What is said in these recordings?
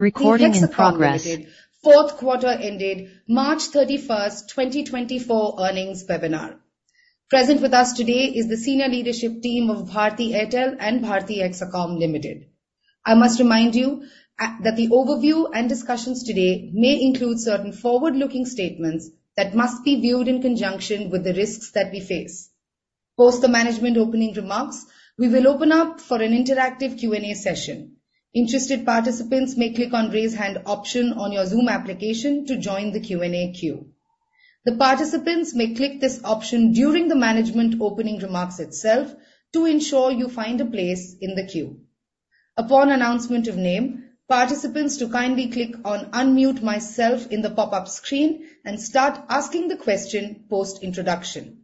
Recording in progress, Fourth Quarter Ended March 31st, 2024 Earnings Webinar. Present with us today is the senior leadership team of Bharti Airtel and Bharti Hexacom Limited. I must remind you that the overview and discussions today may include certain forward-looking statements that must be viewed in conjunction with the risks that we face. Post the management opening remarks, we will open up for an interactive Q&A session. Interested participants may click on Raise Hand option on your Zoom application to join the Q&A queue. The participants may click this option during the management opening remarks itself to ensure you find a place in the queue. Upon announcement of name, participants to kindly click on Unmute Myself in the pop-up screen and start asking the question post-introduction.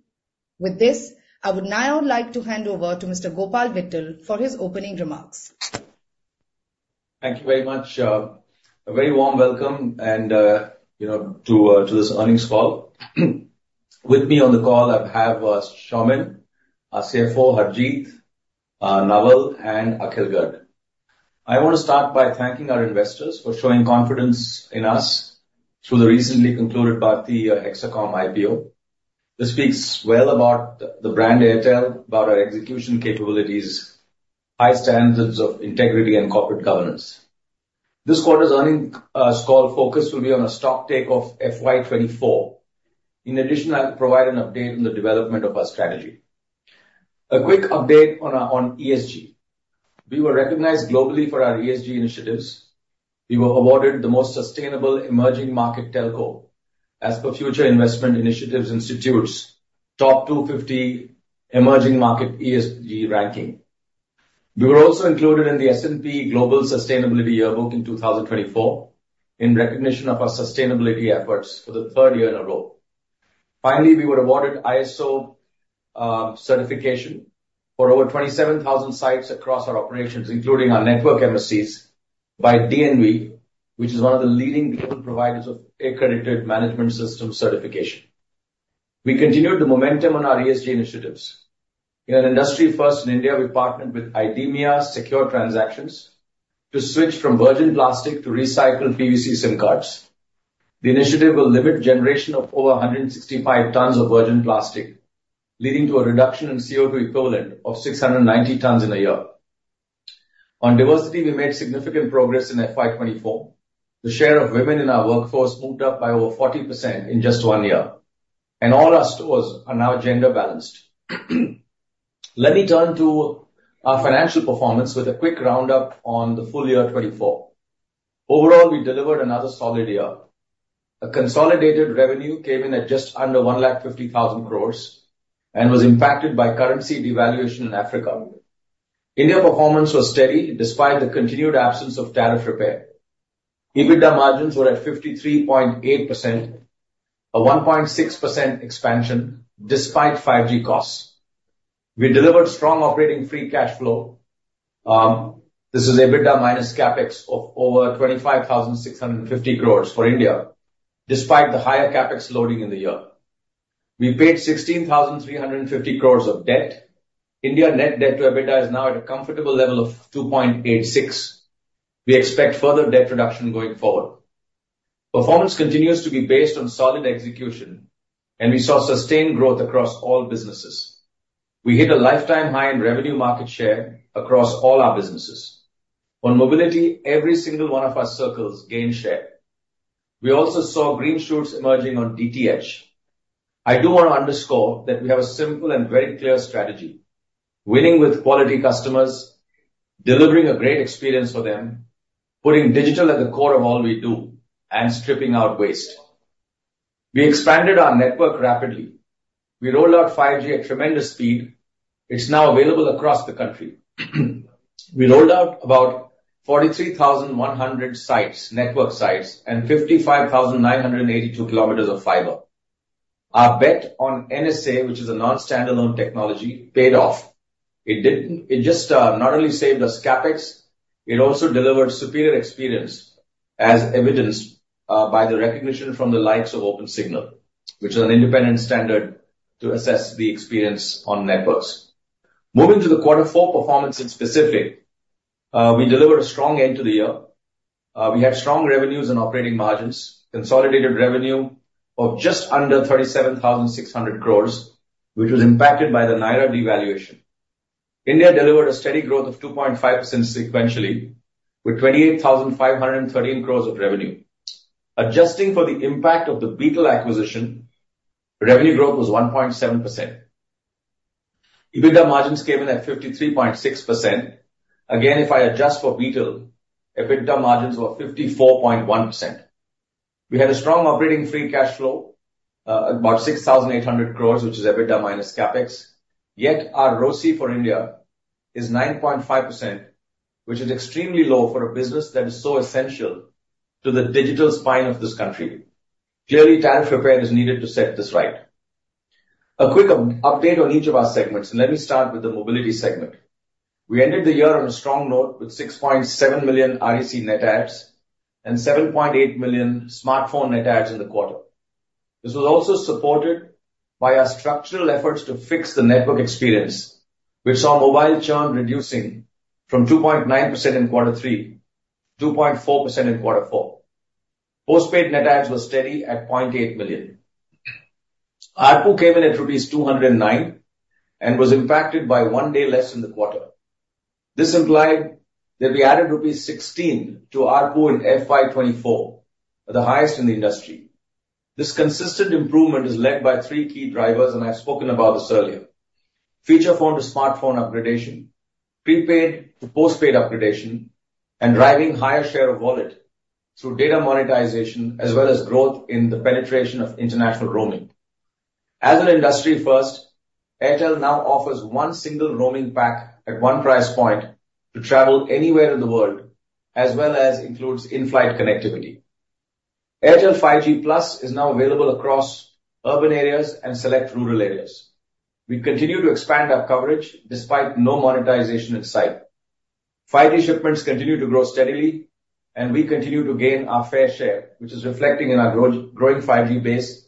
With this, I would now like to hand over to Mr. Gopal Vittal for his opening remarks. Thank you very much. A very warm welcome and, you know, to this earnings call. With me on the call, I have, Soumen, our CFO, Harjeet, Naval, and Akhil Garg. I want to start by thanking our investors for showing confidence in us through the recently concluded Bharti Hexacom IPO. This speaks well about the brand Airtel, about our execution capabilities, high standards of integrity and corporate governance. This quarter's earnings call focus will be on a stock take of FY 2024. In addition, I'll provide an update on the development of our strategy. A quick update on ESG. We were recognized globally for our ESG initiatives. We were awarded the Most Sustainable Emerging Market Telco as per Future Investment Initiative Institute's top 250 emerging market ESG ranking. We were also included in the S&P Global Sustainability Yearbook in 2024, in recognition of our sustainability efforts for the third year in a row. Finally, we were awarded ISO certification for over 27,000 sites across our operations, including our network MSCs by DNV, which is one of the leading global providers of accredited management system certification. We continued the momentum on our ESG initiatives. In an industry first in India, we partnered with IDEMIA Secure Transactions to switch from virgin plastic to recycled PVC SIM cards. The initiative will limit generation of over 165 tons of virgin plastic, leading to a reduction in CO2 equivalent of 690 tons in a year. On diversity, we made significant progress in FY 2024. The share of women in our workforce moved up by over 40% in just one year, and all our stores are now gender-balanced. Let me turn to our financial performance with a quick roundup on the full year 2024. Overall, we delivered another solid year. A consolidated revenue came in at just under 150,000 crore, and was impacted by currency devaluation in Africa. India performance was steady despite the continued absence of tariff repair. EBITDA margins were at 53.8%, a 1.6% expansion despite 5G costs. We delivered strong operating free cash flow. This is EBITDA minus CapEx of over 25,650 crore for India, despite the higher CapEx loading in the year. We paid 16,350 crore of debt. India net debt to EBITDA is now at a comfortable level of 2.86. We expect further debt reduction going forward. Performance continues to be based on solid execution, and we saw sustained growth across all businesses. We hit a lifetime high in revenue market share across all our businesses. On mobility, every single one of our circles gained share. We also saw green shoots emerging on DTH. I do want to underscore that we have a simple and very clear strategy, winning with quality customers, delivering a great experience for them, putting digital at the core of all we do, and stripping out waste. We expanded our network rapidly. We rolled out 5G at tremendous speed. It's now available across the country. We rolled out about 43,100 sites, network sites, and 55,982 kilometers of fiber. Our bet on NSA, which is a non-standalone technology, paid off. It didn't... It just, not only saved us CapEx, it also delivered superior experience, as evidenced, by the recognition from the likes of OpenSignal, which is an independent standard to assess the experience on networks. Moving to the quarter four performance in specific, we delivered a strong end to the year. We had strong revenues and operating margins, consolidated revenue of just under 37,600 crore, which was impacted by the Naira devaluation. India delivered a steady growth of 2.5% sequentially, with 28,513 crore of revenue. Adjusting for the impact of the Beetel acquisition, revenue growth was 1.7%. EBITDA margins came in at 53.6%. Again, if I adjust for Beetel, EBITDA margins were 54.1%. We had a strong operating free cash flow, about 6,800 crores, which is EBITDA minus CapEx. Yet our ROCE for India is 9.5%, which is extremely low for a business that is so essential to the digital spine of this country. Clearly, tariff repair is needed to set this right. A quick update on each of our segments, and let me start with the mobility segment. We ended the year on a strong note with 6.7 million REC net adds and 7.8 million smartphone net adds in the quarter. This was also supported by our structural efforts to fix the network experience. We saw mobile churn reducing from 2.9% in quarter three to 2.4% in quarter four. Postpaid net adds was steady at 0.8 million. ARPU came in at rupees 209, and was impacted by one day less in the quarter. This implied that we added rupees 16 to ARPU in FY 2024, the highest in the industry. This consistent improvement is led by three key drivers, and I've spoken about this earlier. Feature phone to smartphone upgradation, prepaid to postpaid upgradation, and driving higher share of wallet through data monetization, as well as growth in the penetration of international roaming. As an industry first, Airtel now offers one single roaming pack at one price point to travel anywhere in the world, as well as includes in-flight connectivity. Airtel 5G+ is now available across urban areas and select rural areas. We continue to expand our coverage despite no monetization in sight. 5G shipments continue to grow steadily, and we continue to gain our fair share, which is reflecting in our growing 5G base.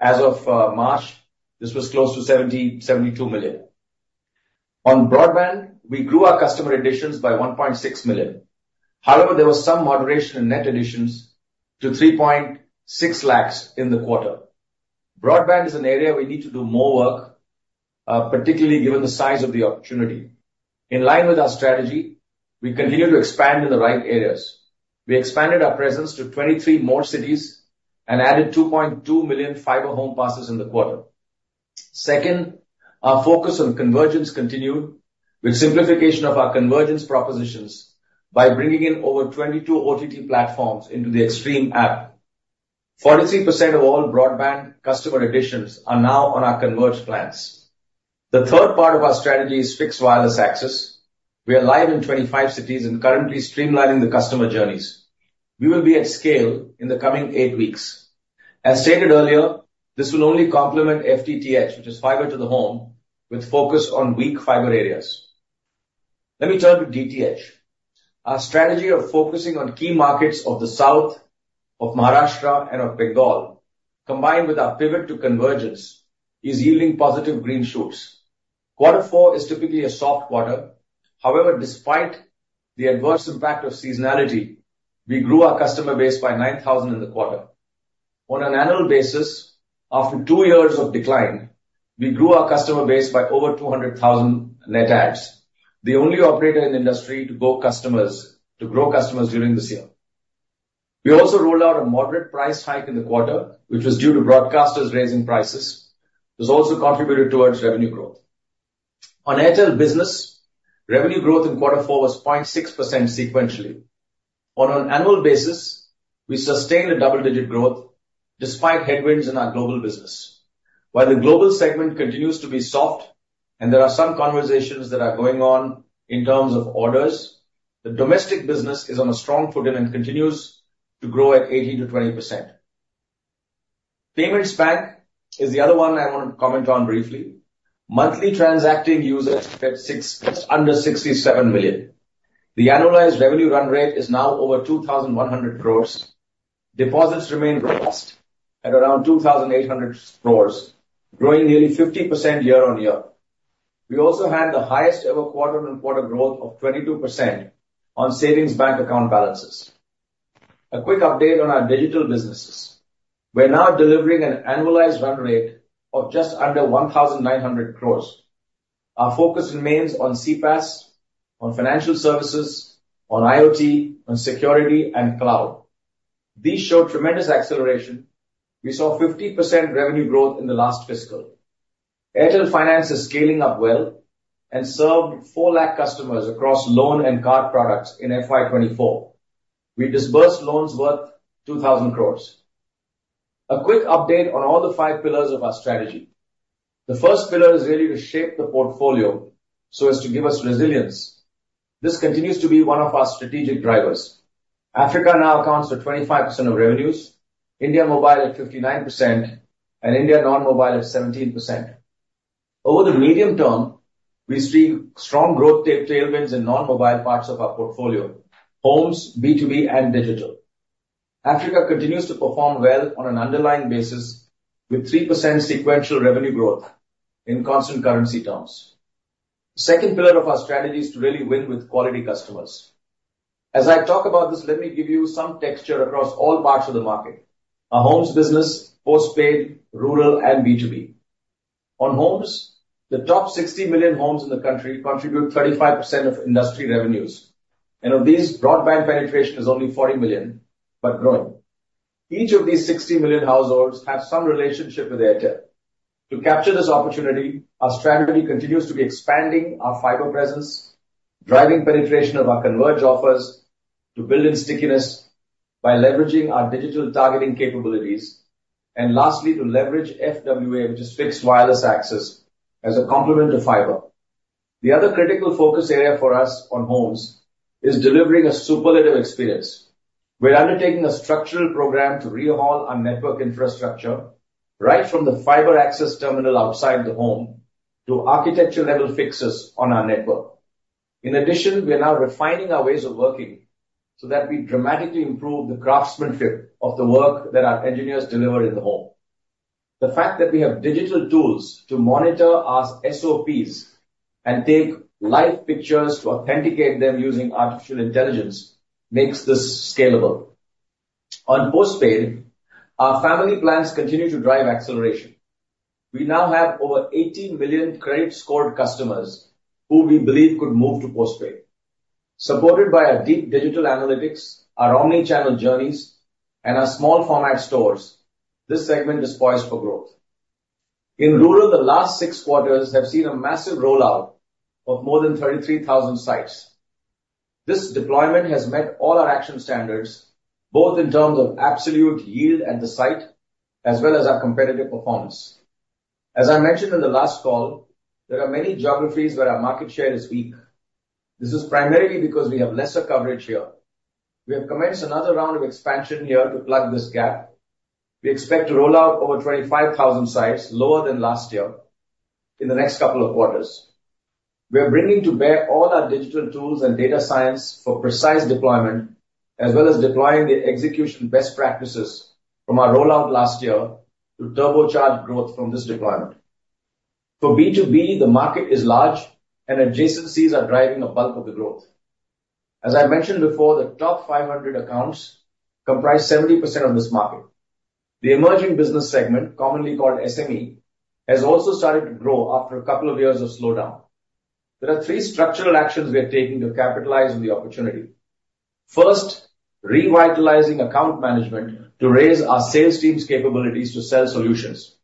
As of March, this was close to 72 million. On broadband, we grew our customer additions by 1.6 million. However, there was some moderation in net additions to 360,000 in the quarter. Broadband is an area we need to do more work, particularly given the size of the opportunity. In line with our strategy, we continue to expand in the right areas. We expanded our presence to 23 more cities and added 2.2 million fiber home passes in the quarter. Second, our focus on convergence continued with simplification of our convergence propositions by bringing in over 22 OTT platforms into the Xstream app. 43% of all broadband customer additions are now on our converged plans. The third part of our strategy is fixed wireless access. We are live in 25 cities and currently streamlining the customer journeys. We will be at scale in the coming eight weeks. As stated earlier, this will only complement FTTH, which is fiber to the home, with focus on weak fiber areas. Let me turn to DTH. Our strategy of focusing on key markets of the South, of Maharashtra, and of Bengal, combined with our pivot to convergence, is yielding positive green shoots. Quarter four is typically a soft quarter. However, despite the adverse impact of seasonality, we grew our customer base by 9,000 in the quarter. On an annual basis, after two years of decline, we grew our customer base by over 200,000 net adds, the only operator in the industry to grow customers, to grow customers during this year. We also rolled out a moderate price hike in the quarter, which was due to broadcasters raising prices. This also contributed towards revenue growth. On Airtel Business, revenue growth in quarter four was 0.6% sequentially. On an annual basis, we sustained a double-digit growth despite headwinds in our global business. While the global segment continues to be soft and there are some conversations that are going on in terms of orders, the domestic business is on a strong footing and continues to grow at 18%-20%. Payments Bank is the other one I want to comment on briefly. Monthly transacting users at 67 million. The annualized revenue run rate is now over 2,100 crore. Deposits remain robust at around 2,800 crore, growing nearly 50% year-on-year. We also had the highest ever quarter-on-quarter growth of 22% on savings bank account balances. A quick update on our digital businesses. We're now delivering an annualized run rate of just under 1,900 crores. Our focus remains on CPaaS, on financial services, on IoT, on security, and cloud. These showed tremendous acceleration. We saw 50% revenue growth in the last fiscal. Airtel Finance is scaling up well and served 400,000 customers across loan and card products in FY 2024. We disbursed loans worth 2,000 crores. A quick update on all the five pillars of our strategy. The first pillar is really to shape the portfolio so as to give us resilience. This continues to be one of our strategic drivers. Africa now accounts for 25% of revenues, India Mobile at 59%, and India Non-Mobile at 17%. Over the medium term, we see strong growth tailwinds in non-mobile parts of our portfolio, homes, B2B, and digital. Africa continues to perform well on an underlying basis, with 3% sequential revenue growth in constant currency terms. Second pillar of our strategy is to really win with quality customers. As I talk about this, let me give you some texture across all parts of the market, our homes business, postpaid, rural, and B2B. On homes, the top 60 million homes in the country contribute 35% of industry revenues, and of these, broadband penetration is only 40 million, but growing. Each of these 60 million households have some relationship with Airtel. To capture this opportunity, our strategy continues to be expanding our fiber presence, driving penetration of our converged offers to build in stickiness by leveraging our digital targeting capabilities, and lastly, to leverage FWA, which is fixed wireless access, as a complement to fiber. The other critical focus area for us on homes is delivering a superlative experience. We're undertaking a structural program to overhaul our network infrastructure, right from the fiber access terminal outside the home to architecture-level fixes on our network. In addition, we are now refining our ways of working, so that we dramatically improve the craftsmanship of the work that our engineers deliver in the home. The fact that we have digital tools to monitor our SOPs and take live pictures to authenticate them using artificial intelligence, makes this scalable. On postpaid, our family plans continue to drive acceleration. We now have over 18 million credit-scored customers who we believe could move to postpaid. Supported by our deep digital analytics, our omni-channel journeys, and our small format stores, this segment is poised for growth. In rural, the last six quarters have seen a massive rollout of more than 33,000 sites. This deployment has met all our action standards, both in terms of absolute yield at the site, as well as our competitive performance. As I mentioned in the last call, there are many geographies where our market share is weak. This is primarily because we have lesser coverage here. We have commenced another round of expansion here to plug this gap. We expect to roll out over 25,000 sites, lower than last year, in the next couple of quarters. We are bringing to bear all our digital tools and data science for precise deployment, as well as deploying the execution best practices from our rollout last year to turbocharge growth from this deployment. For B2B, the market is large and adjacencies are driving the bulk of the growth. As I mentioned before, the top 500 accounts comprise 70% of this market. The emerging business segment, commonly called SME, has also started to grow after a couple of years of slowdown. There are three structural actions we are taking to capitalize on the opportunity. First, revitalizing account management to raise our sales team's capabilities to sell solutions.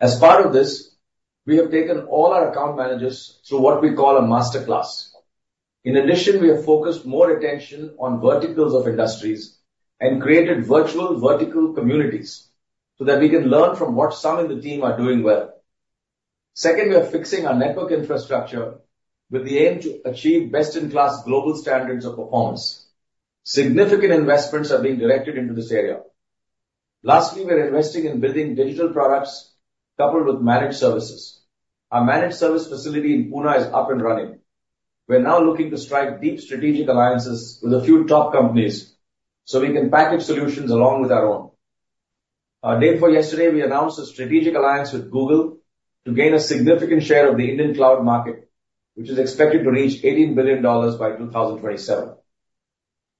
As part of this, we have taken all our account managers through what we call a master class. In addition, we have focused more attention on verticals of industries and created virtual vertical communities, so that we can learn from what some in the team are doing well. Second, we are fixing our network infrastructure with the aim to achieve best-in-class global standards of performance. Significant investments are being directed into this area. Lastly, we are investing in building digital products coupled with managed services. Our managed service facility in Pune is up and running. We are now looking to strike deep strategic alliances with a few top companies, so we can package solutions along with our own. Day before yesterday, we announced a strategic alliance with Google to gain a significant share of the Indian cloud market, which is expected to reach $18 billion by 2027.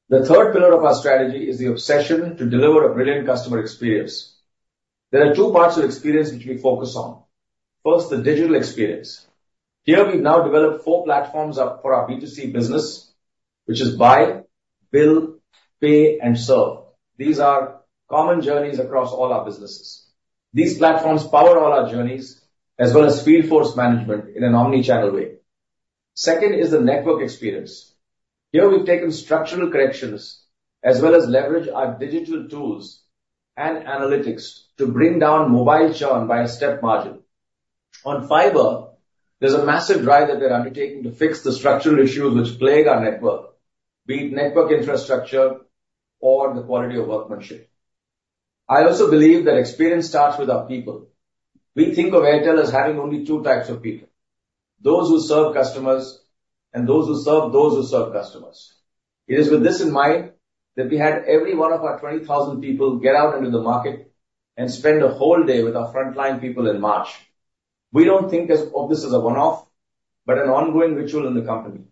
The third pillar of our strategy is the obsession to deliver a brilliant customer experience. There are two parts to experience which we focus on. First, the digital experience. Here, we've now developed four platforms for our B2C business, which is buy, build, pay, and serve. These are common journeys across all our businesses. These platforms power all our journeys as well as field force management in an omni-channel way. Second is the network experience. Here, we've taken structural corrections as well as leverage our digital tools and analytics to bring down mobile churn by a step margin. On fiber, there's a massive drive that we're undertaking to fix the structural issues which plague our network, be it network infrastructure or the quality of workmanship. I also believe that experience starts with our people. We think of Airtel as having only two types of people, those who serve customers, and those who serve those who serve customers. It is with this in mind that we had every one of our 20,000 people get out into the market and spend a whole day with our frontline people in March. We don't think of this as a one-off, but an ongoing ritual in the company.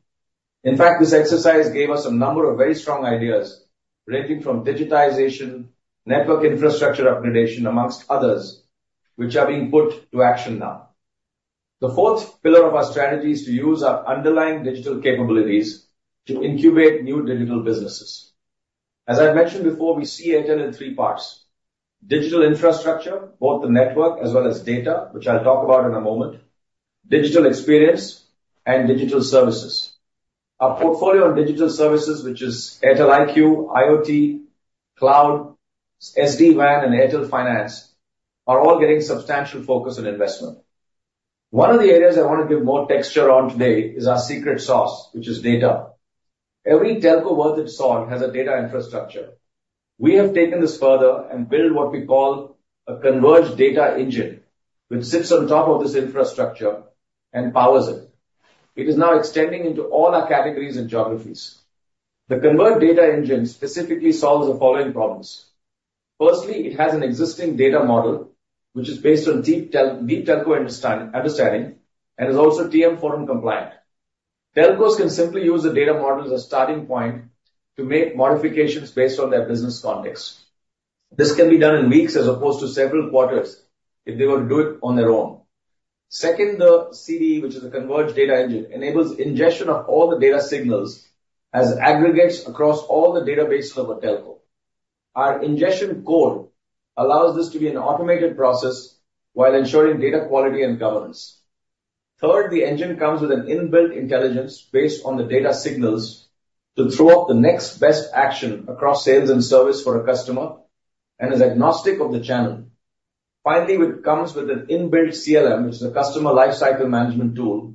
In fact, this exercise gave us a number of very strong ideas, ranging from digitization, network infrastructure upgradation, amongst others, which are being put to action now. The fourth pillar of our strategy is to use our underlying digital capabilities to incubate new digital businesses. As I mentioned before, we see Airtel in three parts: digital infrastructure, both the network as well as data, which I'll talk about in a moment, digital experience, and digital services. Our portfolio on digital services, which is Airtel IQ, IoT, Cloud, SD-WAN, and Airtel Finance, are all getting substantial focus and investment. One of the areas I want to give more texture on today is our secret sauce, which is data. Every telco worth its salt has a data infrastructure. We have taken this further and built what we call a converged data engine, which sits on top of this infrastructure and powers it. It is now extending into all our categories and geographies. The converged data engine specifically solves the following problems. Firstly, it has an existing data model, which is based on deep telco understanding, and is also TM Forum compliant. Telcos can simply use the data model as a starting point to make modifications based on their business context. This can be done in weeks as opposed to several quarters, if they were to do it on their own. Second, the CDE, which is a converged data engine, enables ingestion of all the data signals as aggregates across all the databases of a telco. Our ingestion core allows this to be an automated process while ensuring data quality and governance. Third, the engine comes with an inbuilt intelligence based on the data signals to throw up the next best action across sales and service for a customer, and is agnostic of the channel. Finally, it comes with an inbuilt CLM, which is a customer lifecycle management tool,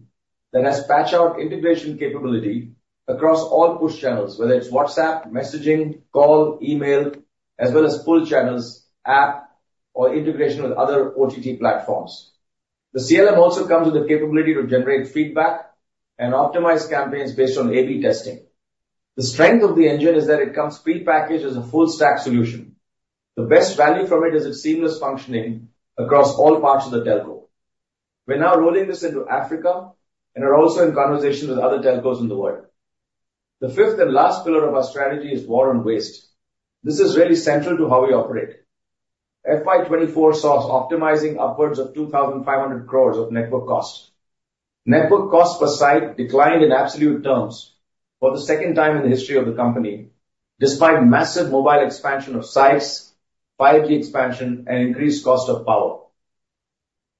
that has patch-out integration capability across all push channels, whether it's WhatsApp, messaging, call, email, as well as pull channels, app or integration with other OTT platforms. The CLM also comes with the capability to generate feedback and optimize campaigns based on AB testing. The strength of the engine is that it comes prepackaged as a full stack solution. The best value from it is its seamless functioning across all parts of the telco. We're now rolling this into Africa, and are also in conversations with other telcos in the world. The fifth and last pillar of our strategy is War on Waste. This is really central to how we operate. FY 2024 saw us optimizing upwards of 2,500 crore of network cost. Network cost per site declined in absolute terms for the second time in the history of the company, despite massive mobile expansion of sites, 5G expansion and increased cost of power.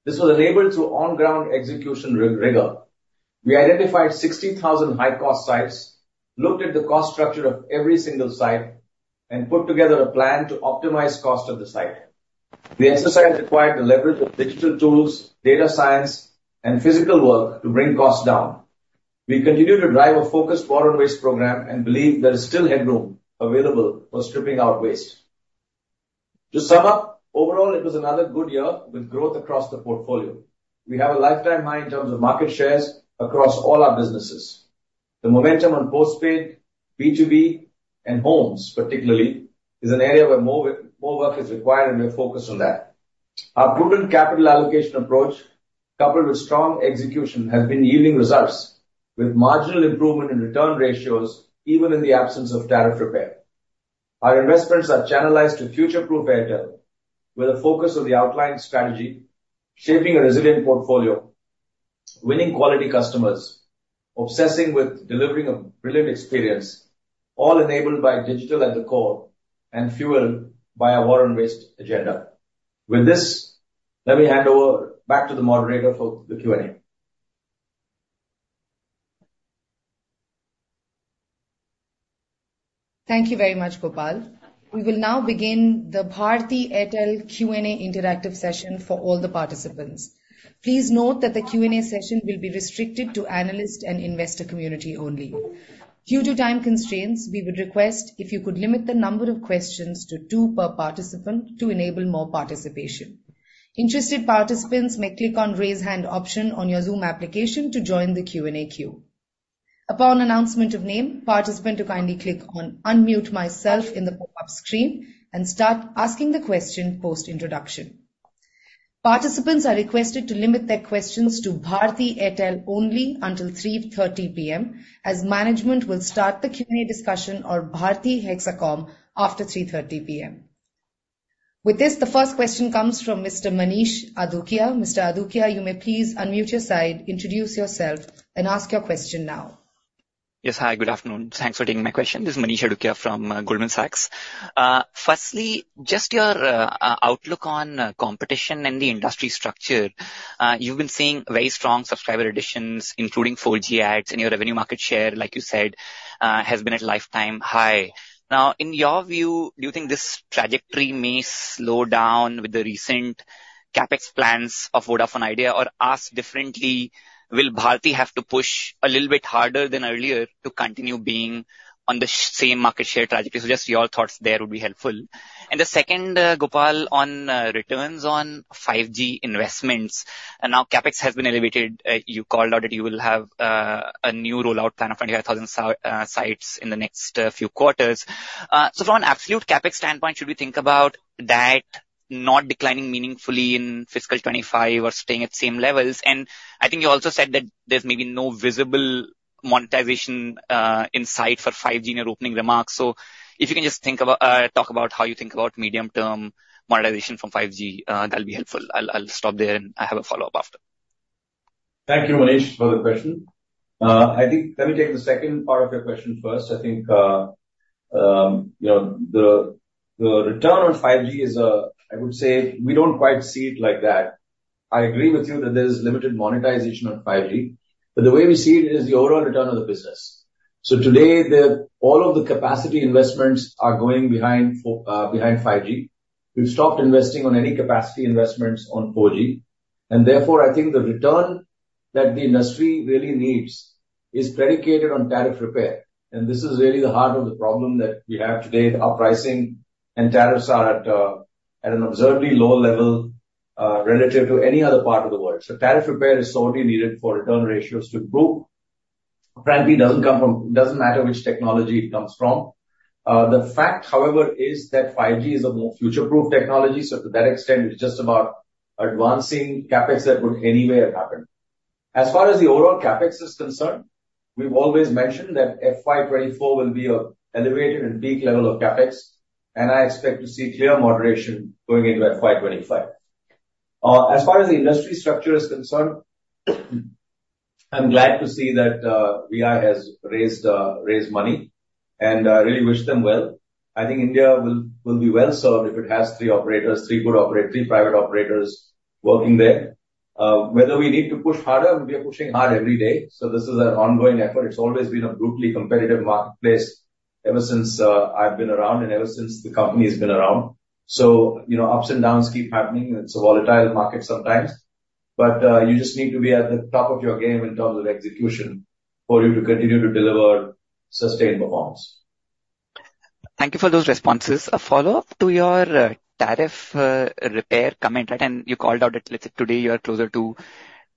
This was enabled through on-ground execution rigor. We identified 60,000 high-cost sites, looked at the cost structure of every single site, and put together a plan to optimize cost of the site. The exercise required the leverage of digital tools, data science, and physical work to bring costs down. We continue to drive a focused War on Waste program and believe there is still headroom available for stripping out waste. To sum up, overall, it was another good year with growth across the portfolio. We have a lifetime high in terms of market shares across all our businesses. The momentum on postpaid, B2B, and homes particularly, is an area where more work is required, and we are focused on that. Our prudent capital allocation approach, coupled with strong execution, has been yielding results, with marginal improvement in return ratios even in the absence of tariff repair. Our investments are channelized to future-proof Airtel, with a focus on the outlined strategy, shaping a resilient portfolio, winning quality customers, obsessing with delivering a brilliant experience, all enabled by digital at the core and fueled by our War on Waste agenda. With this, let me hand over back to the moderator for the Q&A. Thank you very much, Gopal. We will now begin the Bharti Airtel Q&A interactive session for all the participants. Please note that the Q&A session will be restricted to analyst and investor community only. Due to time constraints, we would request if you could limit the number of questions to two per participant to enable more participation. Interested participants may click on Raise Hand option on your Zoom application to join the Q&A queue. Upon announcement of name, participant to kindly click on Unmute Myself in the pop-up screen and start asking the question post-introduction. Participants are requested to limit their questions to Bharti Airtel only until 3:30 P.M., as management will start the Q&A discussion on Bharti Hexacom after 3:30 P.M. With this, the first question comes from Mr. Manish Adukia. Mr. Adukia, you may please unmute your side, introduce yourself, and ask your question now. Yes, hi, good afternoon. Thanks for taking my question. This is Manish Adukia from Goldman Sachs. Firstly, just your outlook on competition and the industry structure. You've been seeing very strong subscriber additions, including 4G adds, and your revenue market share, like you said, has been at a lifetime high. Now, in your view, do you think this trajectory may slow down with the recent CapEx plans of Vodafone Idea, or asked differently, will Bharti have to push a little bit harder than earlier to continue being on the same market share trajectory? So just your thoughts there would be helpful. And the second, Gopal, on returns on 5G investments, and now CapEx has been elevated. You called out that you will have a new rollout plan of 25,000 sites in the next few quarters. So from an absolute CapEx standpoint, should we think about that not declining meaningfully in fiscal 2025 or staying at same levels? And I think you also said that there's maybe no visible monetization in sight for 5G in your opening remarks. So if you can just talk about how you think about medium-term monetization from 5G, that'll be helpful. I'll stop there, and I have a follow-up after. Thank you, Manish, for the question. I think let me take the second part of your question first. I think, you know, the return on 5G is, I would say we don't quite see it like that. I agree with you that there is limited monetization on 5G, but the way we see it is the overall return of the business. So today, all of the capacity investments are going behind 5G. We've stopped investing on any capacity investments on 4G, and therefore, I think the return that the industry really needs is predicated on tariff repair. And this is really the heart of the problem that we have today. Our pricing and tariffs are at an absurdly low level relative to any other part of the world. So tariff repair is sorely needed for return ratios to improve. Frankly, it doesn't come from. It doesn't matter which technology it comes from. The fact, however, is that 5G is a more future-proof technology, so to that extent, it is just about advancing CapEx that would anyway have happened. As far as the overall CapEx is concerned, we've always mentioned that FY 2024 will be a elevated and peak level of CapEx, and I expect to see clear moderation going into FY 2025. As far as the industry structure is concerned, I'm glad to see that, Vi has raised money, and I really wish them well. I think India will be well-served if it has three operators, three good private operators working there. Whether we need to push harder, we are pushing hard every day, so this is an ongoing effort. It's always been a brutally competitive marketplace ever since, I've been around and ever since the company has been around. So, you know, ups and downs keep happening, and it's a volatile market sometimes, but, you just need to be at the top of your game in terms of execution for you to continue to deliver sustained performance. ...Thank you for those responses. A follow-up to your tariff repair comment, right? And you called out that, let's say, today, you are closer to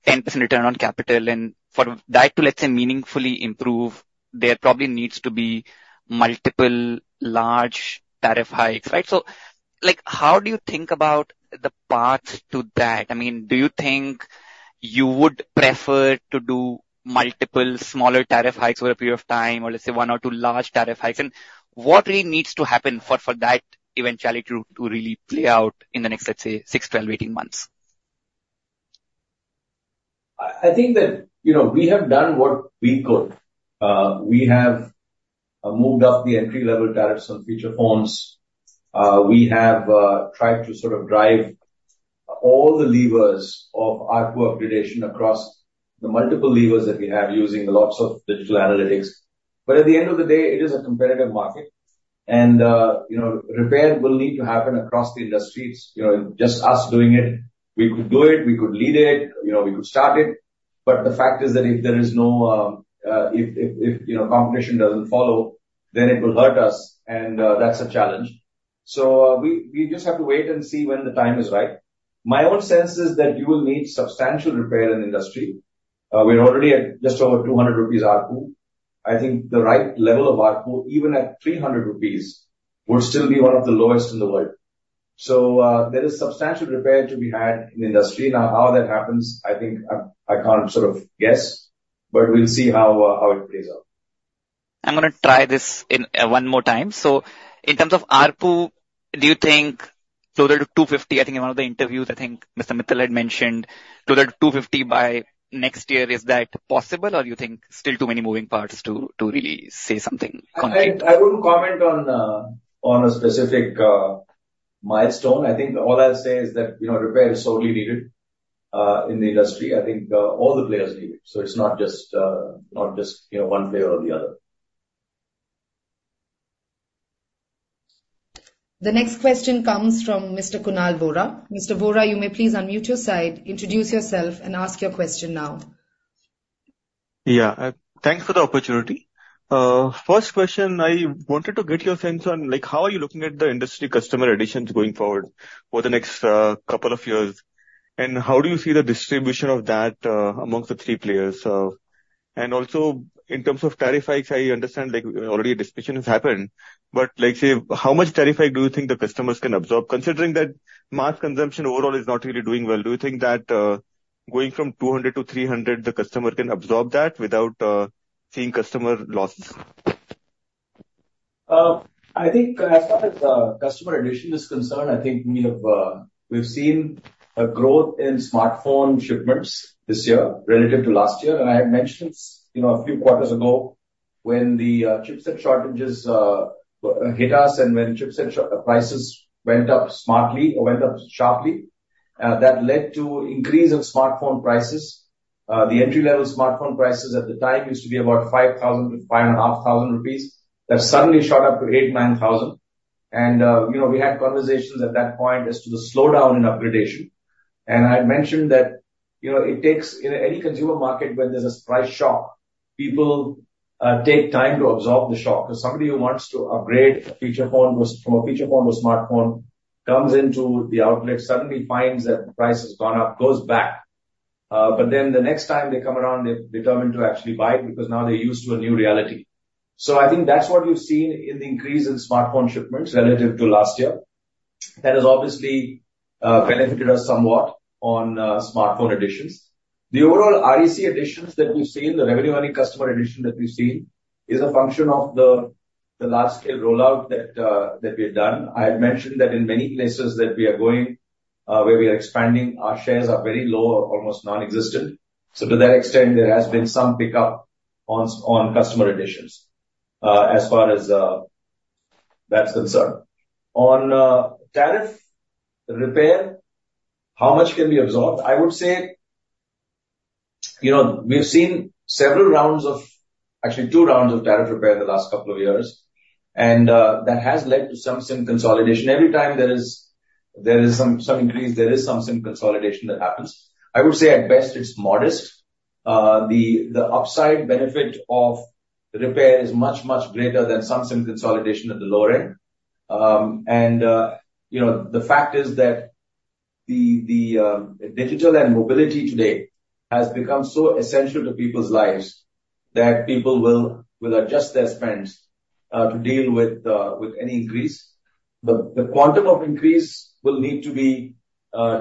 10% return on capital, and for that to, let's say, meaningfully improve, there probably needs to be multiple large tariff hikes, right? So, like, how do you think about the path to that? I mean, do you think you would prefer to do multiple smaller tariff hikes over a period of time, or let's say one or two large tariff hikes? And what really needs to happen for that eventuality to really play out in the next, let's say, six, 12, 18 months? I think that, you know, we have done what we could. We have moved up the entry-level tariffs on feature phones. We have tried to sort of drive all the levers of ARPU upgradation across the multiple levers that we have, using lots of digital analytics. But at the end of the day, it is a competitive market, and, you know, repair will need to happen across the industries. You know, just us doing it, we could do it, we could lead it, you know, we could start it, but the fact is that if competition doesn't follow, then it will hurt us, and, that's a challenge. So we just have to wait and see when the time is right. My own sense is that you will need substantial repair in the industry. We're already at just over 200 rupees ARPU. I think the right level of ARPU, even at 300 rupees, will still be one of the lowest in the world. So, there is substantial repair to be had in the industry. Now, how that happens, I think, I can't sort of guess, but we'll see how, how it plays out. I'm gonna try this one more time. So in terms of ARPU, do you think closer to 250? I think in one of the interviews, I think Mr. Mittal had mentioned closer to 250 by next year. Is that possible, or you think still too many moving parts to really say something concrete? I wouldn't comment on a specific milestone. I think all I'll say is that, you know, repair is solely needed in the industry. I think all the players need it, so it's not just, you know, one player or the other. The next question comes from Mr. Kunal Vora. Mr. Vora, you may please unmute your side, introduce yourself and ask your question now. Yeah. Thanks for the opportunity. First question, I wanted to get your sense on, like, how are you looking at the industry customer additions going forward for the next couple of years? And how do you see the distribution of that among the three players? And also, in terms of tariff hikes, I understand, like, already a discussion has happened, but, like, say, how much tariff hike do you think the customers can absorb, considering that mass consumption overall is not really doing well? Do you think that going from 200-300, the customer can absorb that without seeing customer losses? I think as far as customer addition is concerned, I think we have we've seen a growth in smartphone shipments this year relative to last year. I had mentioned, you know, a few quarters ago, when the chipset shortages hit us and when chipset prices went up smartly or went up sharply, that led to increase in smartphone prices. The entry-level smartphone prices at the time used to be about 5,000-5,500 rupees. That suddenly shot up to 8,000-9,000. You know, we had conversations at that point as to the slowdown in upgradation. I had mentioned that, you know, it takes, in any consumer market, when there's a price shock, people take time to absorb the shock, because somebody who wants to upgrade a feature phone was, from a feature phone to smartphone, comes into the outlet, suddenly finds that the price has gone up, goes back. But then the next time they come around, they're determined to actually buy it, because now they're used to a new reality. So I think that's what you've seen in the increase in smartphone shipments relative to last year. That has obviously benefited us somewhat on smartphone additions. The overall REC additions that we've seen, the revenue adding customer addition that we've seen, is a function of the large-scale rollout that we have done. I had mentioned that in many places that we are going, where we are expanding, our shares are very low or almost non-existent. So to that extent, there has been some pickup on customer additions, as far as that's concerned. On tariff repair, how much can be absorbed? I would say, you know, we've seen several rounds of... Actually, two rounds of tariff repair in the last couple of years, and that has led to some SIM consolidation. Every time there is some increase, there is some SIM consolidation that happens. I would say, at best, it's modest. The upside benefit of repair is much, much greater than some SIM consolidation at the lower end. And, you know, the fact is that the digital and mobility today has become so essential to people's lives, that people will adjust their spends to deal with with any increase. The quantum of increase will need to be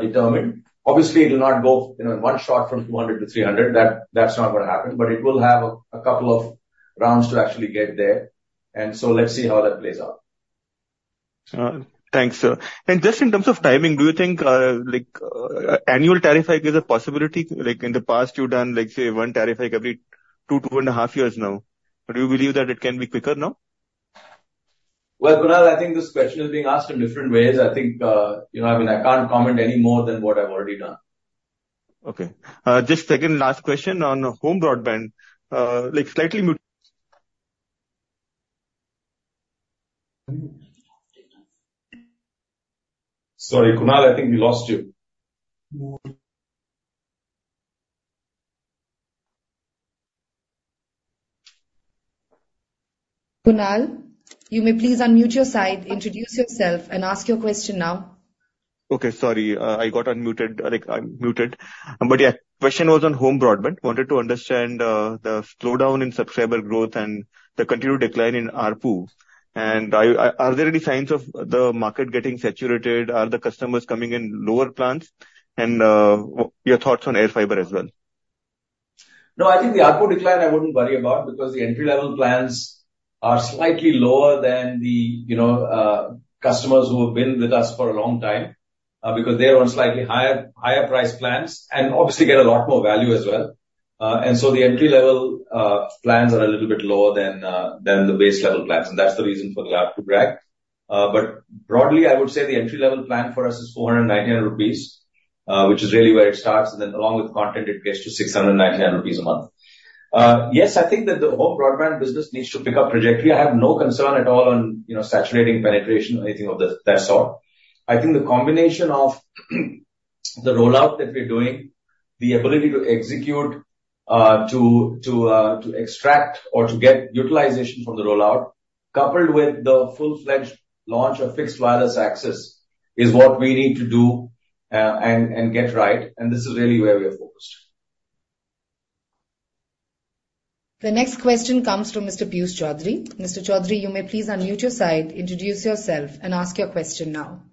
determined. Obviously, it will not go, you know, in one shot from 200 to 300. That's not gonna happen, but it will have a couple of rounds to actually get there, and so let's see how that plays out. Thanks, sir. And just in terms of timing, do you think, like, annual tariff hike is a possibility? Like, in the past, you've done, like, say, one tariff hike every two and a half years now. But do you believe that it can be quicker now? Well, Kunal, I think this question is being asked in different ways. I think, you know, I mean, I can't comment any more than what I've already done. Okay. Just second and last question on home broadband. Like, slightly- Sorry, Kunal, I think we lost you.... Kunal, you may please unmute your side, introduce yourself, and ask your question now. Okay, sorry, I got unmuted, like, I'm muted. But, yeah, question was on home broadband. Wanted to understand, the slowdown in subscriber growth and the continued decline in ARPU. And are there any signs of the market getting saturated? Are the customers coming in lower plans? And, your thoughts on air fiber as well. No, I think the ARPU decline I wouldn't worry about, because the entry-level plans are slightly lower than the, you know, customers who have been with us for a long time, because they're on slightly higher, higher priced plans, and obviously get a lot more value as well. And so the entry-level plans are a little bit lower than than the base-level plans, and that's the reason for the ARPU drag. But broadly, I would say the entry-level plan for us is 490 rupees, which is really where it starts, and then along with content, it gets to 690 rupees a month. Yes, I think that the whole broadband business needs to pick up trajectory. I have no concern at all on, you know, saturating penetration or anything of that, that sort. I think the combination of the rollout that we're doing, the ability to execute, to extract or to get utilization from the rollout, coupled with the full-fledged launch of fixed wireless access, is what we need to do, and get right, and this is really where we are focused. The next question comes from Mr. Piyush Choudhry. Mr. Choudhary, you may please unmute your side, introduce yourself, and ask your question now.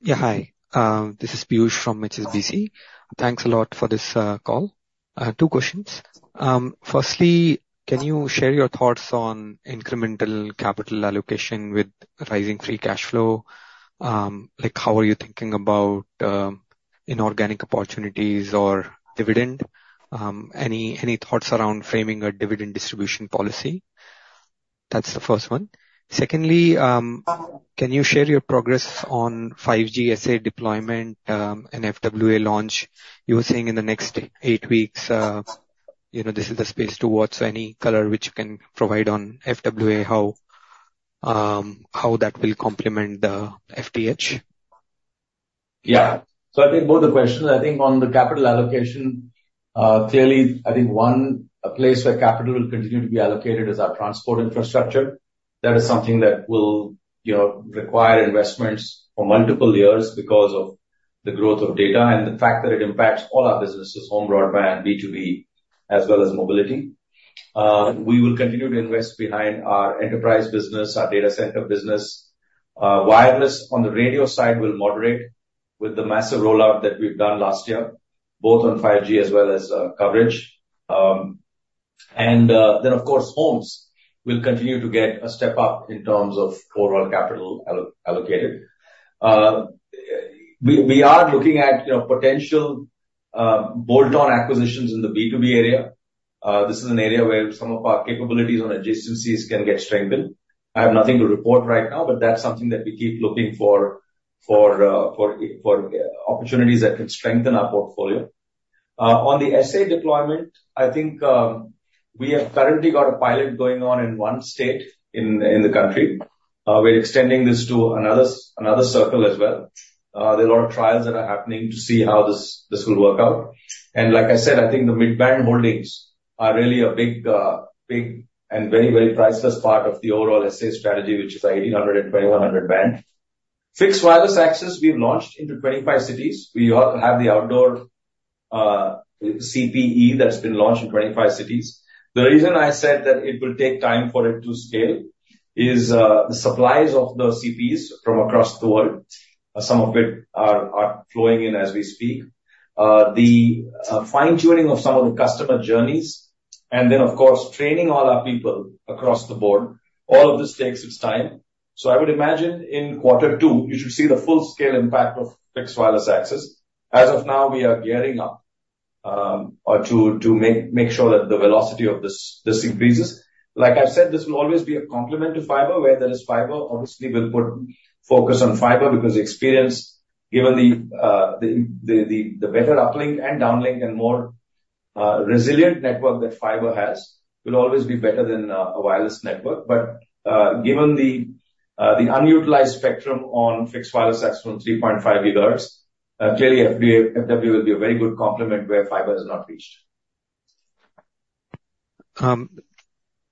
Yeah, hi. This is Piyush from HSBC. Thanks a lot for this call. Two questions. Firstly, can you share your thoughts on incremental capital allocation with rising free cash flow? Like, how are you thinking about inorganic opportunities or dividend? Any, any thoughts around framing a dividend distribution policy? That's the first one. Secondly, can you share your progress on 5G SA deployment and FWA launch? You were saying in the next eight weeks, you know, this is the space to watch, so any color which you can provide on FWA, how that will complement the FTTH? Yeah. So I think both the questions, I think on the capital allocation, clearly, I think one, a place where capital will continue to be allocated is our transport infrastructure. That is something that will, you know, require investments for multiple years because of the growth of data and the fact that it impacts all our businesses, home, broadband, B2B, as well as mobility. We will continue to invest behind our enterprise business, our data center business. Wireless, on the radio side, will moderate with the massive rollout that we've done last year, both on 5G as well as coverage. And then, of course, homes will continue to get a step up in terms of overall capital allocated. We, we are looking at, you know, potential bolt-on acquisitions in the B2B area. This is an area where some of our capabilities on adjacencies can get strengthened. I have nothing to report right now, but that's something that we keep looking for opportunities that can strengthen our portfolio. On the SA deployment, I think, we have currently got a pilot going on in one state in the country. We're extending this to another circle as well. There are a lot of trials that are happening to see how this will work out. And like I said, I think the mid-band holdings are really a big and very, very priceless part of the overall SA strategy, which is the 1800 and 2100 band. Fixed wireless access, we've launched into 25 cities. We all have the outdoor CPE that's been launched in 25 cities. The reason I said that it will take time for it to scale is, the supplies of the CPEs from across the world. Some of it are flowing in as we speak. The fine-tuning of some of the customer journeys, and then, of course, training all our people across the board, all of this takes its time. So I would imagine in quarter two, you should see the full-scale impact of fixed wireless access. As of now, we are gearing up to make sure that the velocity of this increases. Like I've said, this will always be a complement to fiber. Where there is fiber, obviously we'll put focus on fiber, because the experience, given the better uplink and downlink and more resilient network that fiber has, will always be better than a wireless network. Given the unutilized spectrum on fixed wireless access from 3.5 GHz, clearly, FWA will be a very good complement where fiber is not reached.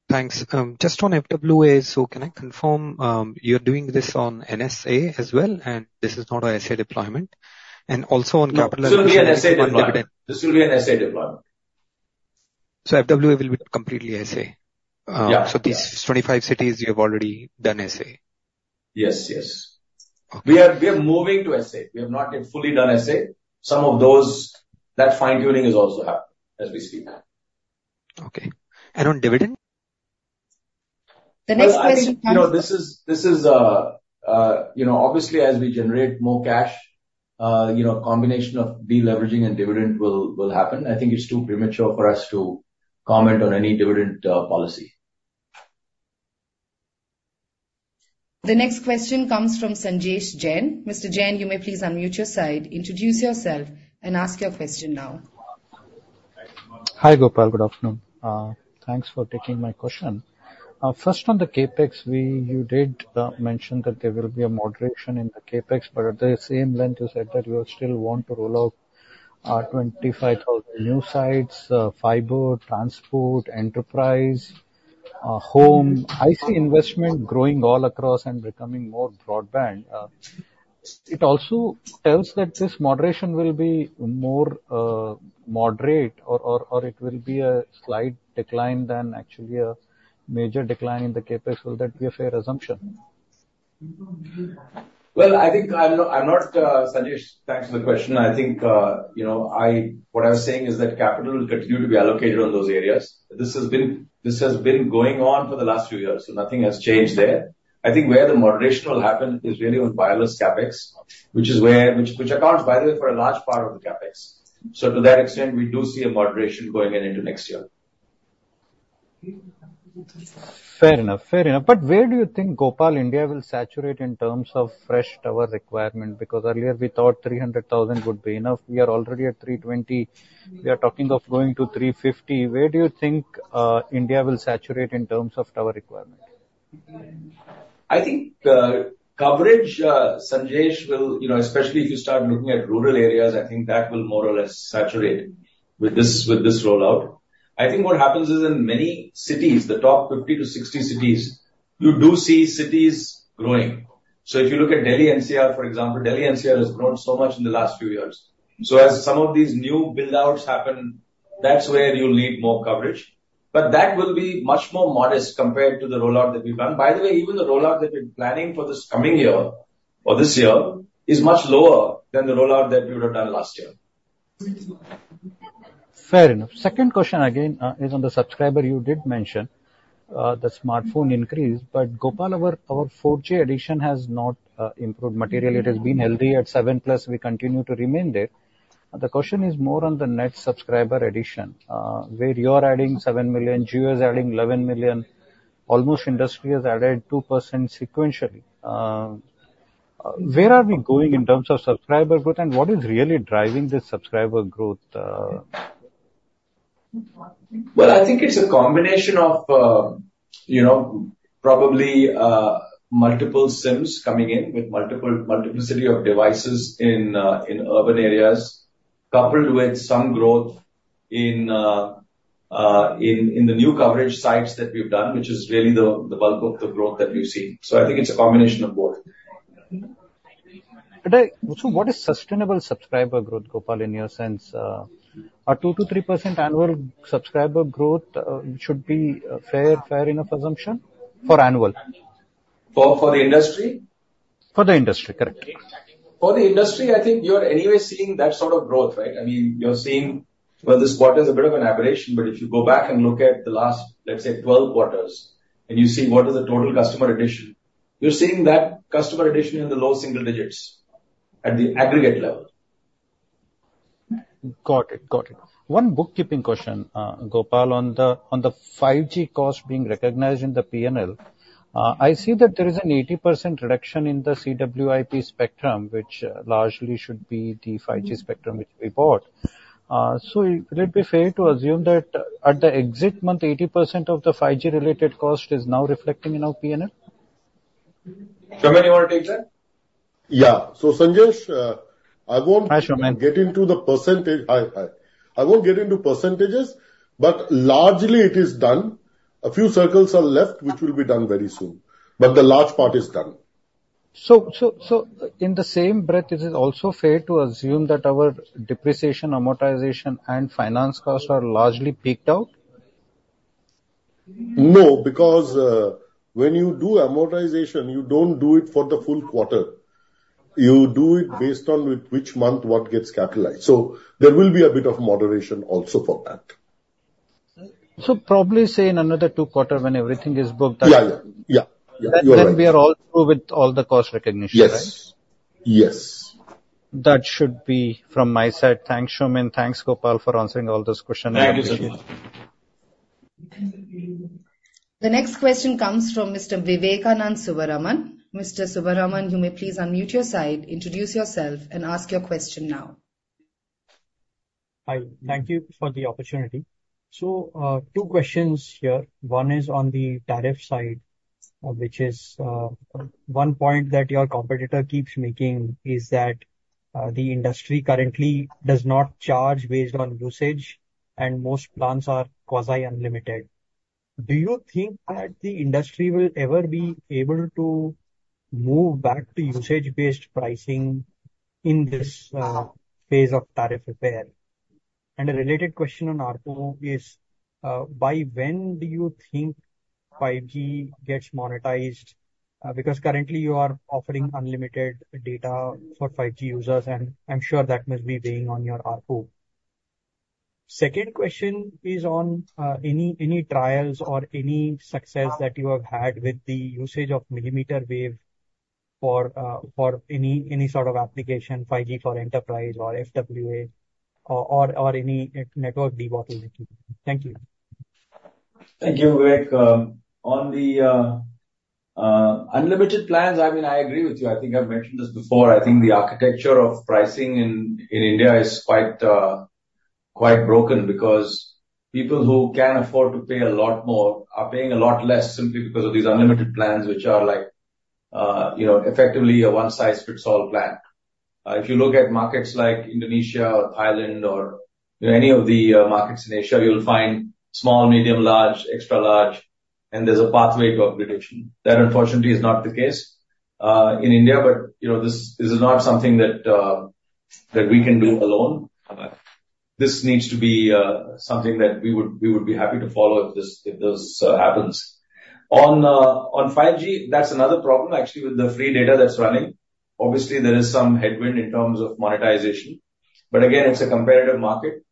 Thanks. Just on FWA, so can I confirm, you're doing this on NSA as well, and this is not an SA deployment? And also on capital- No, this will be an SA deployment. This will be an SA deployment. So FWA will be completely SA? Yeah. These 25 cities, you have already done SA? Yes, yes. Okay. We are moving to SA. We have not yet fully done SA. Some of that fine-tuning is also happening as we speak. Okay. On dividend? The next question comes- You know, this is, you know, obviously as we generate more cash, you know, combination of deleveraging and dividend will happen. I think it's too premature for us to comment on any dividend policy. The next question comes from Sanjesh Jain. Mr. Jain, you may please unmute your side, introduce yourself, and ask your question now.... Hi, Gopal. Good afternoon. Thanks for taking my question. First on the CapEx, we, you did, mention that there will be a moderation in the CapEx, but at the same length, you said that you still want to roll out, 25,000 new sites, fiber, transport, enterprise, home. I see investment growing all across and becoming more broadband. It also tells that this moderation will be more, moderate or, or, or it will be a slight decline than actually a major decline in the CapEx. Will that be a fair assumption? Well, I think I'm not, I'm not, Sanjesh, thanks for the question. I think, you know, I-- what I was saying is that capital will continue to be allocated on those areas. This has been, this has been going on for the last few years, so nothing has changed there. I think where the moderation will happen is really on wireless CapEx, which is where... Which, which accounts, by the way, for a large part of the CapEx. So to that extent, we do see a moderation going in into next year. Fair enough. Fair enough. But where do you think, Gopal, India will saturate in terms of fresh tower requirement? Because earlier we thought 300,000 would be enough. We are already at 320,000. We are talking of going to 350,000. Where do you think, India will saturate in terms of tower requirement? I think, coverage, Sanjesh, will, you know, especially if you start looking at rural areas, I think that will more or less saturate with this, with this rollout. I think what happens is, in many cities, the top 50-60 cities, you do see cities growing. So if you look at Delhi NCR, for example, Delhi NCR has grown so much in the last few years. So as some of these new build-outs happen, that's where you'll need more coverage. But that will be much more modest compared to the rollout that we've done. By the way, even the rollout that we're planning for this coming year or this year is much lower than the rollout that we would have done last year. Fair enough. Second question, again, is on the subscriber. You did mention, the smartphone increase, but Gopal, our, our 4G addition has not, improved materially. It has been healthy at 7+. We continue to remain there. The question is more on the net subscriber addition, where you are adding seven million, Jio is adding 11 million, almost industry has added 2% sequentially. Where are we going in terms of subscriber growth, and what is really driving this subscriber growth? Well, I think it's a combination of, you know, probably multiple SIMs coming in with multiple multiplicity of devices in urban areas, coupled with some growth in the new coverage sites that we've done, which is really the bulk of the growth that we've seen. So I think it's a combination of both. So what is sustainable subscriber growth, Gopal, in your sense? A 2%-3% annual subscriber growth should be a fair, fair enough assumption for annual? For the industry? For the industry, correct. For the industry, I think you're anyway seeing that sort of growth, right? I mean, you're seeing... Well, this quarter is a bit of an aberration, but if you go back and look at the last, let's say, 12 quarters, and you see what is the total customer addition, you're seeing that customer addition in the low single digits at the aggregate level. Got it. Got it. One bookkeeping question, Gopal, on the, on the 5G cost being recognized in the P&L. I see that there is an 80% reduction in the CWIP spectrum, which largely should be the 5G spectrum which we bought. So would it be fair to assume that at the exit month, 80% of the 5G-related cost is now reflecting in our P&L? Soumen, you want to take that? Yeah. So, Sanjesh, I won't- Hi, Soumen. I won't get into percentages, but largely it is done. A few circles are left, which will be done very soon, but the large part is done. In the same breath, is it also fair to assume that our depreciation, amortization, and finance costs are largely peaked out? No, because, when you do amortization, you don't do it for the full quarter. You do it based on with which month, what gets capitalized. So there will be a bit of moderation also for that. Probably say in another two quarters when everything is booked up- Yeah, yeah. Yeah. You are right. Then we are all through with all the cost recognition, right? Yes. Yes. That should be from my side. Thanks, Soumen. Thanks, Gopal, for answering all those questions. Thank you so much. The next question comes from Mr. Vivekanand Subbaraman. Mr. Subbaraman, you may please unmute your side, introduce yourself, and ask your question now. Hi, thank you for the opportunity. So, two questions here. One is on the tariff side, which is, one point that your competitor keeps making is that, the industry currently does not charge based on usage, and most plans are quasi-unlimited. Do you think that the industry will ever be able to move back to usage-based pricing in this, phase of tariff repair? And a related question on ARPU is, by when do you think 5G gets monetized? Because currently you are offering unlimited data for 5G users, and I'm sure that must be weighing on your ARPU. Second question is on, any trials or any success that you have had with the usage of millimeter wave for, for any sort of application, 5G for enterprise or FWA or any network debacle. Thank you. ...Thank you, Vivek. On the unlimited plans, I mean, I agree with you. I think I've mentioned this before. I think the architecture of pricing in India is quite broken, because people who can afford to pay a lot more are paying a lot less simply because of these unlimited plans, which are like, you know, effectively a one-size-fits-all plan. If you look at markets like Indonesia or Thailand or, you know, any of the markets in Asia, you'll find small, medium, large, extra large, and there's a pathway to upgradation. That, unfortunately, is not the case in India, but, you know, this is not something that we can do alone. This needs to be something that we would be happy to follow if this happens. On 5G, that's another problem, actually, with the free data that's running. Obviously, there is some headwind in terms of monetization, but again, it's a competitive market.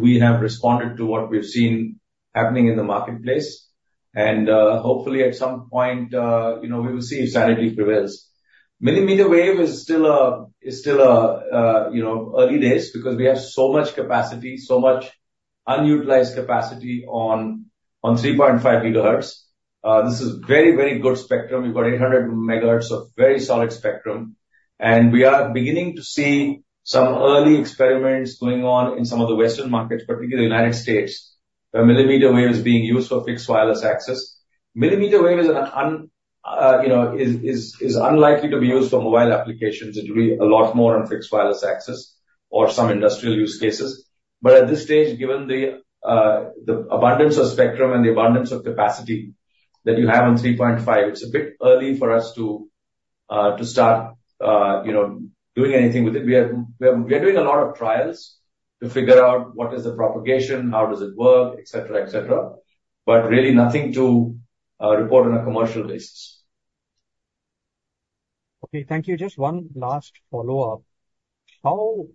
We have responded to what we've seen happening in the marketplace, and hopefully at some point, you know, we will see if sanity prevails. Millimeter wave is still, you know, early days because we have so much capacity, so much unutilized capacity on 3.5 GHz. This is very, very good spectrum. We've got 800 MHz of very solid spectrum, and we are beginning to see some early experiments going on in some of the Western markets, particularly the United States, where millimeter wave is being used for fixed wireless access. Millimeter wave is, you know, unlikely to be used for mobile applications. It will be a lot more on fixed wireless access or some industrial use cases. But at this stage, given the abundance of spectrum and the abundance of capacity that you have on three point five, it's a bit early for us to start, you know, doing anything with it. We are doing a lot of trials to figure out what is the propagation, how does it work, et cetera, et cetera, but really nothing to report on a commercial basis. Okay, thank you. Just one last follow-up. How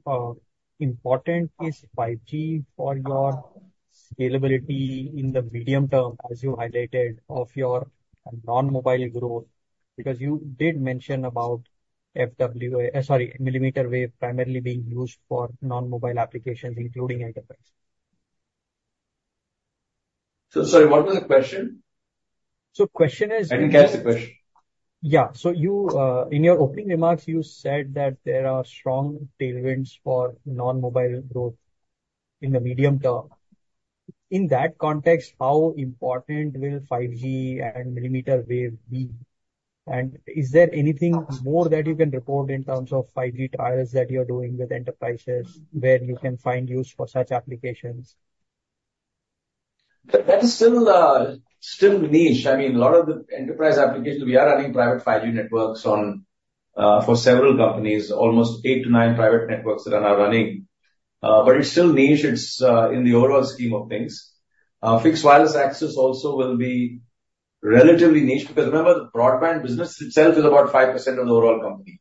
important is 5G for your scalability in the medium term, as you highlighted, of your non-mobile growth? Because you did mention about FWA... Sorry, millimeter wave primarily being used for non-mobile applications, including enterprise. Sorry, what was the question? Question is- I didn't catch the question. Yeah. So you, in your opening remarks, you said that there are strong tailwinds for non-mobile growth in the medium term. In that context, how important will 5G and millimeter wave be? And is there anything more that you can report in terms of 5G trials that you're doing with enterprises, where you can find use for such applications? That, that is still, still niche. I mean, a lot of the enterprise applications, we are running private 5G networks on, for several companies, almost eight-nine private networks that are now running. But it's still niche, it's, in the overall scheme of things. Fixed wireless access also will be relatively niche, because remember, the broadband business itself is about 5% of the overall company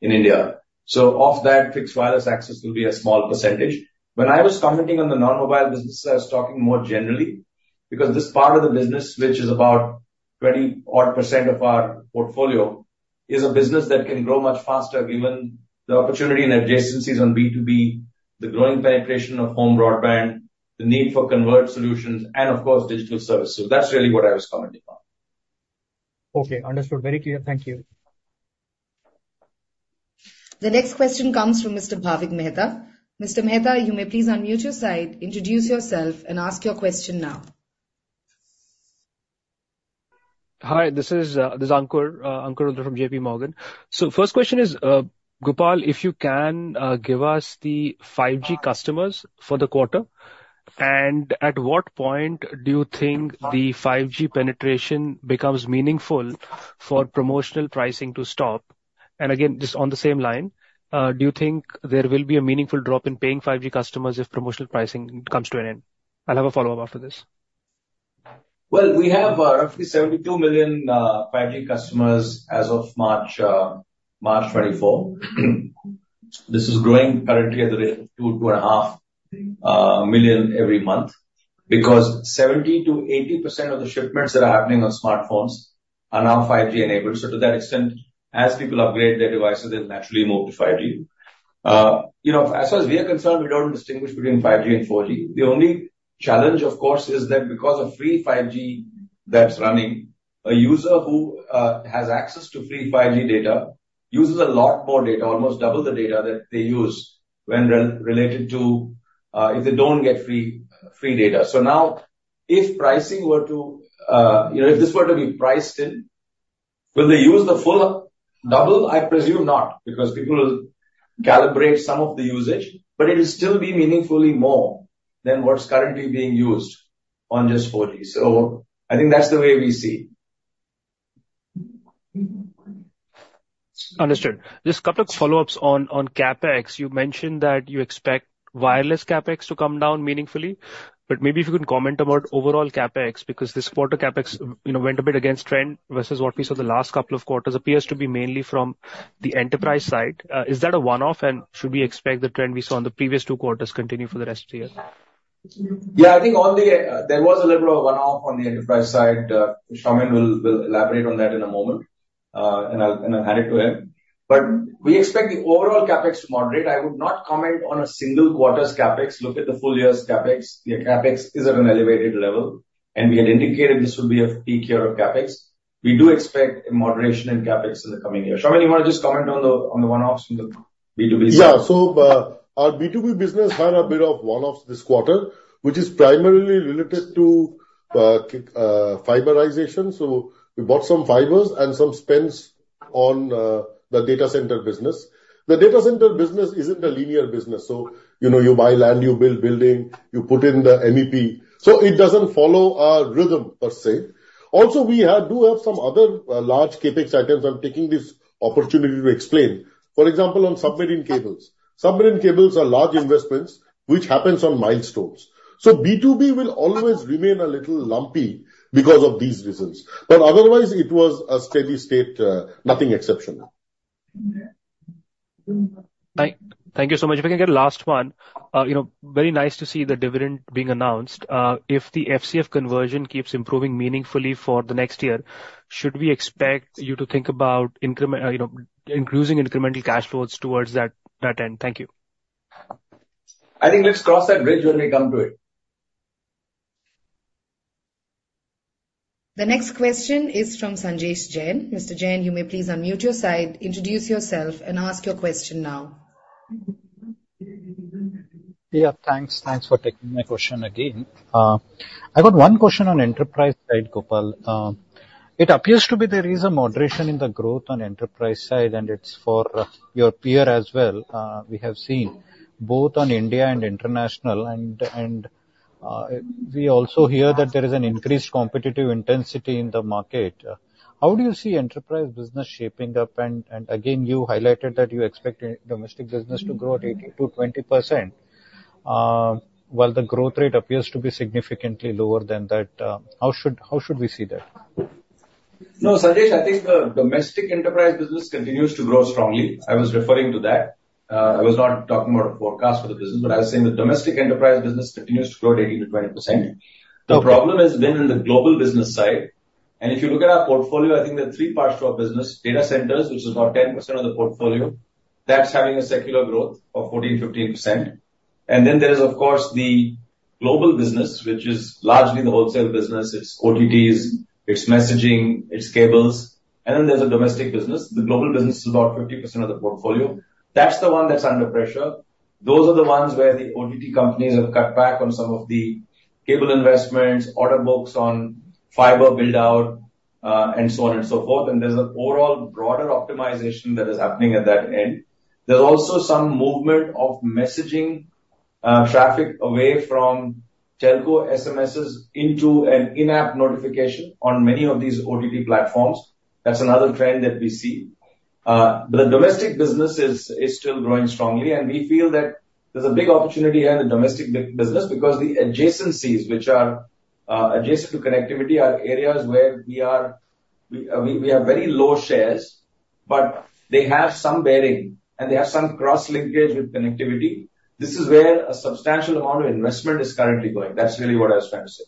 in India. So of that, fixed wireless access will be a small percentage. When I was commenting on the non-mobile business, I was talking more generally, because this part of the business, which is about 20-odd% of our portfolio, is a business that can grow much faster given the opportunity and adjacencies on B2B, the growing penetration of home broadband, the need for converged solutions, and of course, digital services. So that's really what I was commenting on. Okay, understood. Very clear. Thank you. The next question comes from Mr. Bhavik Mehta. Mr. Mehta, you may please unmute your side, introduce yourself and ask your question now. Hi, this is Ankur from JP Morgan. First question is, Gopal, if you can give us the 5G customers for the quarter, and at what point do you think the 5G penetration becomes meaningful for promotional pricing to stop? Again, just on the same line, do you think there will be a meaningful drop in paying 5G customers if promotional pricing comes to an end? I'll have a follow-up after this. Well, we have roughly 72 million 5G customers as of March 24. This is growing currently at the rate of 2-2.5 million every month, because 70%-80% of the shipments that are happening on smartphones are now 5G enabled. So to that extent, as people upgrade their devices, they'll naturally move to 5G. You know, as far as we are concerned, we don't distinguish between 5G and 4G. The only challenge, of course, is that because of free 5G that's running, a user who has access to free 5G data uses a lot more data, almost double the data that they use when related to if they don't get free data. So now, if pricing were to you know, if this were to be priced in, will they use the full double? I presume not, because people will calibrate some of the usage, but it'll still be meaningfully more than what's currently being used on just 4G. So I think that's the way we see. Understood. Just a couple of follow-ups on CapEx. You mentioned that you expect wireless CapEx to come down meaningfully, but maybe if you can comment about overall CapEx, because this quarter CapEx, you know, went a bit against trend versus what we saw the last couple of quarters, appears to be mainly from the enterprise side. Is that a one-off, and should we expect the trend we saw in the previous two quarters continue for the rest of the year? Yeah, I think on the, there was a little bit of a one-off on the enterprise side. Soumen will elaborate on that in a moment... and I'll hand it to him. But we expect the overall CapEx to moderate. I would not comment on a single quarter's CapEx. Look at the full year's CapEx. The CapEx is at an elevated level, and we had indicated this would be a peak year of CapEx. We do expect a moderation in CapEx in the coming year. Soumen, you want to just comment on the, on the one-offs in the B2B side? Yeah. So, our B2B business had a bit of one-offs this quarter, which is primarily related to fiberization. So we bought some fibers and some spends on the data center business. The data center business isn't a linear business, so, you know, you buy land, you build building, you put in the MEP. So it doesn't follow a rhythm, per se. Also, we do have some other large CapEx items. I'm taking this opportunity to explain. For example, on submarine cables. Submarine cables are large investments, which happens on milestones. So B2B will always remain a little lumpy because of these reasons, but otherwise it was a steady state, nothing exceptional. Thank you so much. If I can get a last one. You know, very nice to see the dividend being announced. If the FCF conversion keeps improving meaningfully for the next year, should we expect you to think about increment, you know, increasing incremental cash flows towards that end? Thank you. I think let's cross that bridge when we come to it. The next question is from Sanjesh Jain. Mr. Jain, you may please unmute your side, introduce yourself and ask your question now. Yeah, thanks. Thanks for taking my question again. I've got one question on enterprise side, Gopal. It appears to be there is a moderation in the growth on enterprise side, and it's for your peer as well. We have seen both on India and international, and, and, we also hear that there is an increased competitive intensity in the market. How do you see enterprise business shaping up? And, and again, you highlighted that you expect your domestic business to grow at 18%-20%, while the growth rate appears to be significantly lower than that, how should, how should we see that? No, Sanjesh, I think the domestic enterprise business continues to grow strongly. I was referring to that. I was not talking about a forecast for the business, but I was saying the domestic enterprise business continues to grow at 18%-20%. Okay. The problem has been in the global business side, and if you look at our portfolio, I think there are three parts to our business: data centers, which is about 10% of the portfolio, that's having a secular growth of 14%-15%. And then there is, of course, the global business, which is largely the wholesale business. It's OTTs, it's messaging, it's cables, and then there's a domestic business. The global business is about 50% of the portfolio. That's the one that's under pressure. Those are the ones where the OTT companies have cut back on some of the cable investments, order books on fiber build-out, and so on and so forth, and there's an overall broader optimization that is happening at that end. There's also some movement of messaging, traffic away from telco SMSs into an in-app notification on many of these OTT platforms. That's another trend that we see. But the domestic business is still growing strongly, and we feel that there's a big opportunity here in the domestic business because the adjacencies, which are adjacent to connectivity, are areas where we have very low shares, but they have some bearing, and they have some cross-linkage with connectivity. This is where a substantial amount of investment is currently going. That's really what I was trying to say.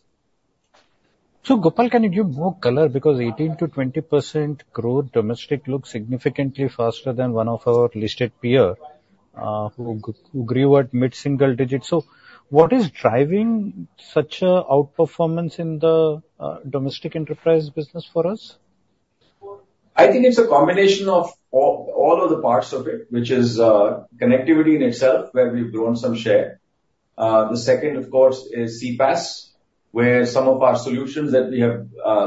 So, Gopal, can you give more color? Because 18%-20% growth domestic looks significantly faster than one of our listed peer, who grew at mid-single digits. So what is driving such a outperformance in the domestic enterprise business for us? I think it's a combination of all, all of the parts of it, which is connectivity in itself, where we've grown some share. The second, of course, is CPaaS, where some of our solutions that we have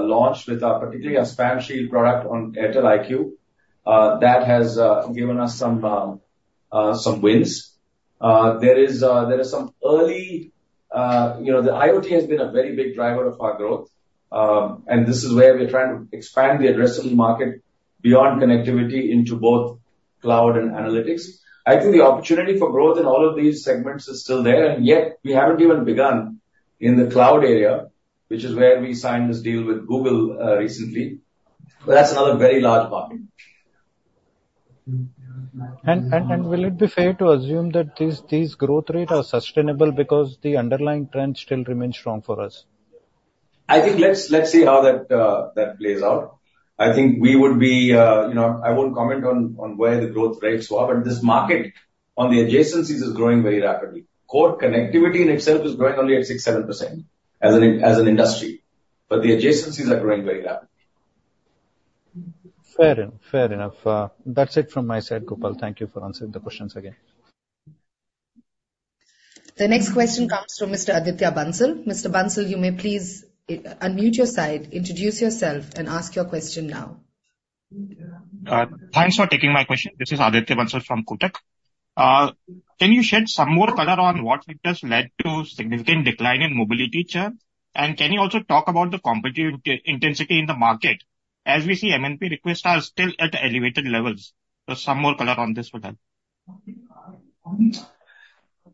launched with our, particularly our Spam Shield product on Airtel IQ, that has some wins. There is there is some early... You know, the IoT has been a very big driver of our growth, and this is where we're trying to expand the addressable market beyond connectivity into both cloud and analytics. I think the opportunity for growth in all of these segments is still there, and yet we haven't even begun in the cloud area, which is where we signed this deal with Google recently. But that's another very large market. Will it be fair to assume that these growth rate are sustainable because the underlying trend still remains strong for us? I think let's see how that plays out. I think we would be, you know, I won't comment on where the growth rates are, but this market on the adjacencies is growing very rapidly. Core connectivity in itself is growing only at 6%-7% as an industry, but the adjacencies are growing very rapidly. Fair enough. Fair enough. That's it from my side, Gopal. Thank you for answering the questions again. The next question comes from Mr. Aditya Bansal. Mr. Bansal, you may please unmute your side, introduce yourself and ask your question now. Thanks for taking my question. This is Aditya Bansal from Kotak. Can you shed some more color on what factors led to significant decline in mobility churn? And can you also talk about the competitive intensity in the market, as we see MNP requests are still at elevated levels. So some more color on this would help.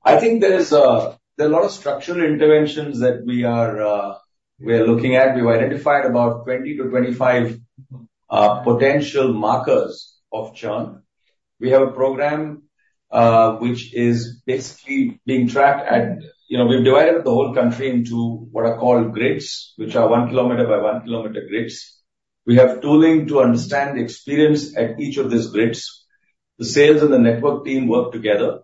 I think there's there are a lot of structural interventions that we are we are looking at. We've identified about 20-25 potential markers of churn. We have a program which is basically being tracked at, you know, we've divided the whole country into what are called grids, which are 1 km by 1 km grids. We have tooling to understand the experience at each of these grids. The sales and the network team work together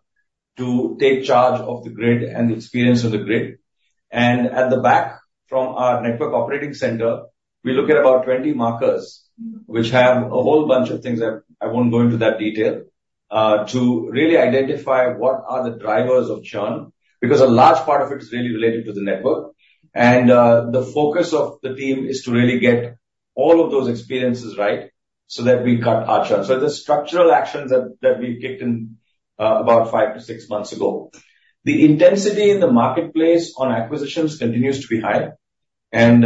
to take charge of the grid and the experience of the grid. And at the back, from our network operating center, we look at about 20 markers, which have a whole bunch of things that I won't go into that detail to really identify what are the drivers of churn, because a large part of it is really related to the network. And, the focus of the team is to really get all of those experiences right, so that we cut our churn. So the structural actions that we've kicked in, about five-six months ago. The intensity in the marketplace on acquisitions continues to be high, and,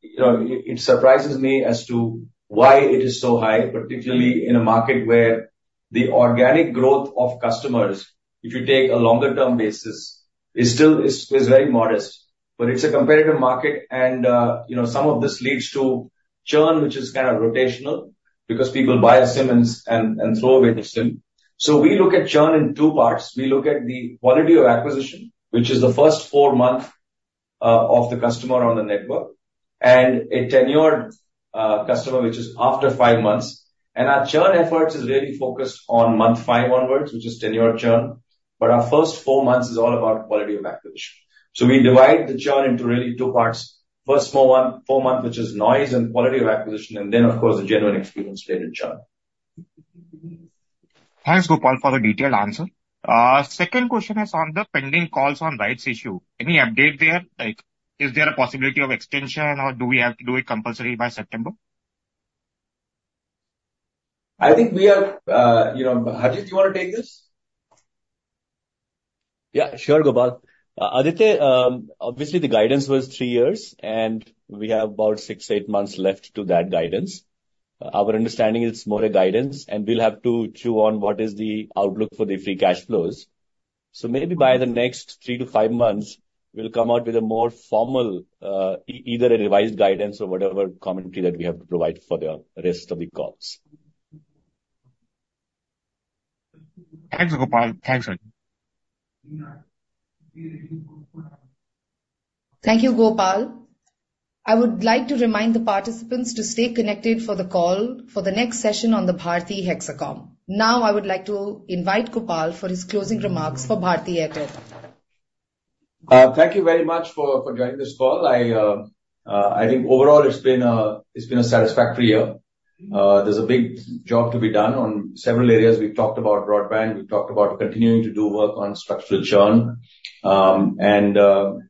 you know, it surprises me as to why it is so high, particularly in a market where the organic growth of customers, if you take a longer term basis, is still very modest. But it's a competitive market, and, you know, some of this leads to churn, which is kind of rotational, because people buy a SIM and throw away the SIM. So we look at churn in two parts. We look at the quality of acquisition, which is the first four month of the customer on the network, and a tenured customer, which is after five months. Our churn efforts is really focused on month five onwards, which is tenured churn. Our first four months is all about quality of acquisition. We divide the churn into really two parts. First, four month, four months, which is noise and quality of acquisition, and then, of course, the general experience-related churn. Thanks, Gopal, for the detailed answer. Second question is on the pending calls on rights issue. Any update there? Like, is there a possibility of extension, or do we have to do it compulsory by September? I think we are, you know... Harjeet, do you want to take this? Yeah, sure, Gopal. Aditya, obviously, the guidance was three years, and we have about six to eight months left to that guidance. Our understanding is more a guidance, and we'll have to chew on what is the outlook for the free cash flows. So maybe by the next three to five months, we'll come out with a more formal, either a revised guidance or whatever commentary that we have to provide for the rest of the calls. Thanks, Gopal. Thanks, Harjeet. Thank you, Gopal. I would like to remind the participants to stay connected for the call for the next session on the Bharti Hexacom. Now, I would like to invite Gopal for his closing remarks for Bharti Airtel. Thank you very much for joining this call. I think overall it's been a satisfactory year. There's a big job to be done on several areas. We've talked about broadband, we've talked about continuing to do work on structural churn. I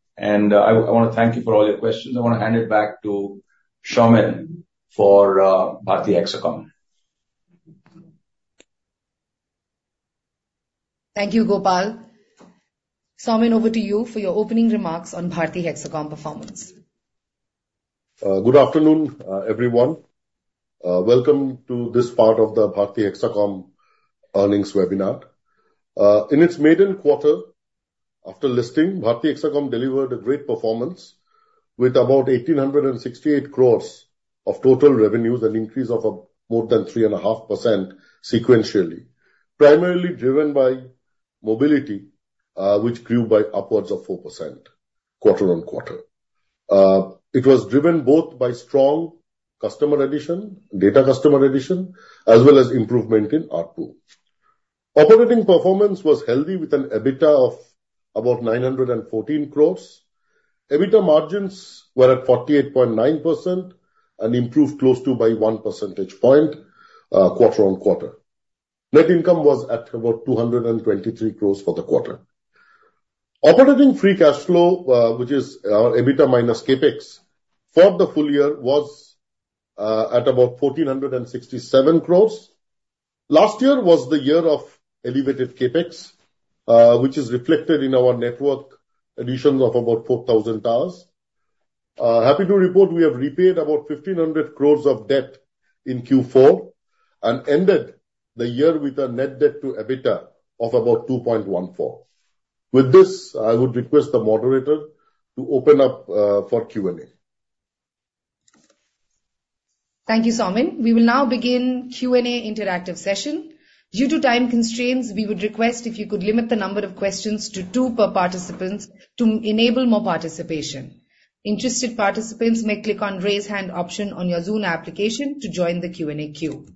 wanna thank you for all your questions. I wanna hand it back to Soumen for Bharti Hexacom. Thank you, Gopal. Saumil, over to you for your opening remarks on Bharti Hexacom performance. Good afternoon, everyone. Welcome to this part of the Bharti Hexacom earnings webinar. In its maiden quarter after listing, Bharti Hexacom delivered a great performance with about 1,868 crores of total revenues, an increase of more than 3.5% sequentially, primarily driven by mobility, which grew by upwards of 4% quarter-on-quarter. It was driven both by strong customer addition, data customer addition, as well as improvement in ARPU. Operating performance was healthy, with an EBITDA of about 914 crores. EBITDA margins were at 48.9% and improved close to by one percentage point quarter-on-quarter. Net income was at about 223 crores for the quarter. Operating free cash flow, which is, EBITDA minus CapEx, for the full year, was, at about 1,467 crore. Last year was the year of elevated CapEx, which is reflected in our network additions of about $4,000. Happy to report we have repaid about 1,500 crore of debt in Q4 and ended the year with a net debt to EBITDA of about 2.14. With this, I would request the moderator to open up, for Q&A. Thank you, Soumen. We will now begin Q&A interactive session. Due to time constraints, we would request if you could limit the number of questions to two per participants to enable more participation. Interested participants may click on Raise Hand option on your Zoom application to join the Q&A queue.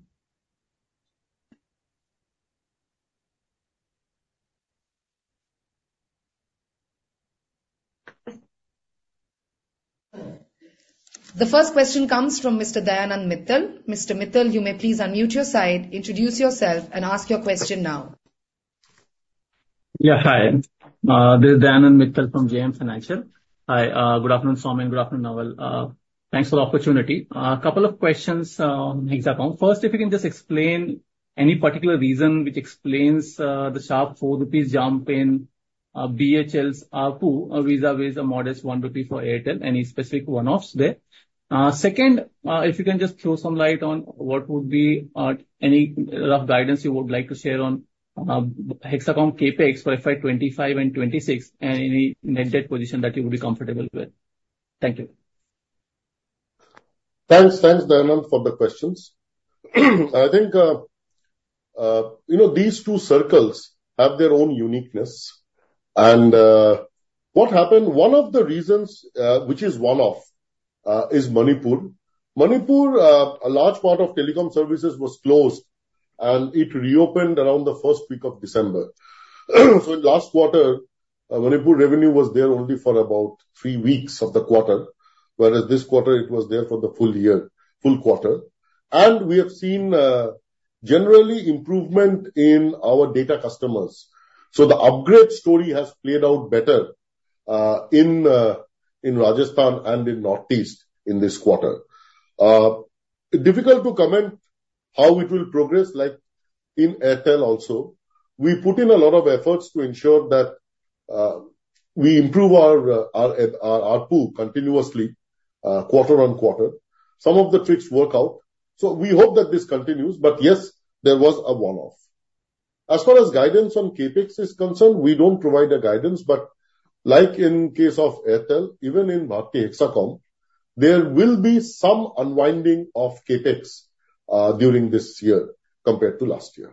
The first question comes from Mr. Dayanand Mittal. Mr. Mittal, you may please unmute your side, introduce yourself, and ask your question now. Yeah, hi, this is Dayanand Mittal from JM Financial. Hi, good afternoon, Soumen, good afternoon, Naval. Thanks for the opportunity. A couple of questions, Hexacom. First, if you can just explain any particular reason which explains the sharp 4 rupees jump in BHL's ARPU, vis-a-vis the modest 1 rupee for Airtel, any specific one-offs there? Second, if you can just throw some light on what would be any rough guidance you would like to share on Hexacom CapEx for FY 25 and 26, and any net debt position that you would be comfortable with. Thank you.... Thanks, thanks, Dayanand, for the questions. I think, you know, these two circles have their own uniqueness. And, what happened, one of the reasons, which is one-off, is Manipur. Manipur, a large part of telecom services was closed, and it reopened around the first week of December. So in last quarter, Manipur revenue was there only for about three weeks of the quarter, whereas this quarter it was there for the full year, full quarter. And we have seen, generally improvement in our data customers. So the upgrade story has played out better, in, in Rajasthan and in Northeast in this quarter. Difficult to comment how it will progress, like in Airtel also. We put in a lot of efforts to ensure that, we improve our, our AR, ARPU continuously, quarter on quarter. Some of the tricks work out, so we hope that this continues, but yes, there was a one-off. As far as guidance on CapEx is concerned, we don't provide a guidance, but like in case of Airtel, even in Bharti Hexacom, there will be some unwinding of CapEx during this year compared to last year.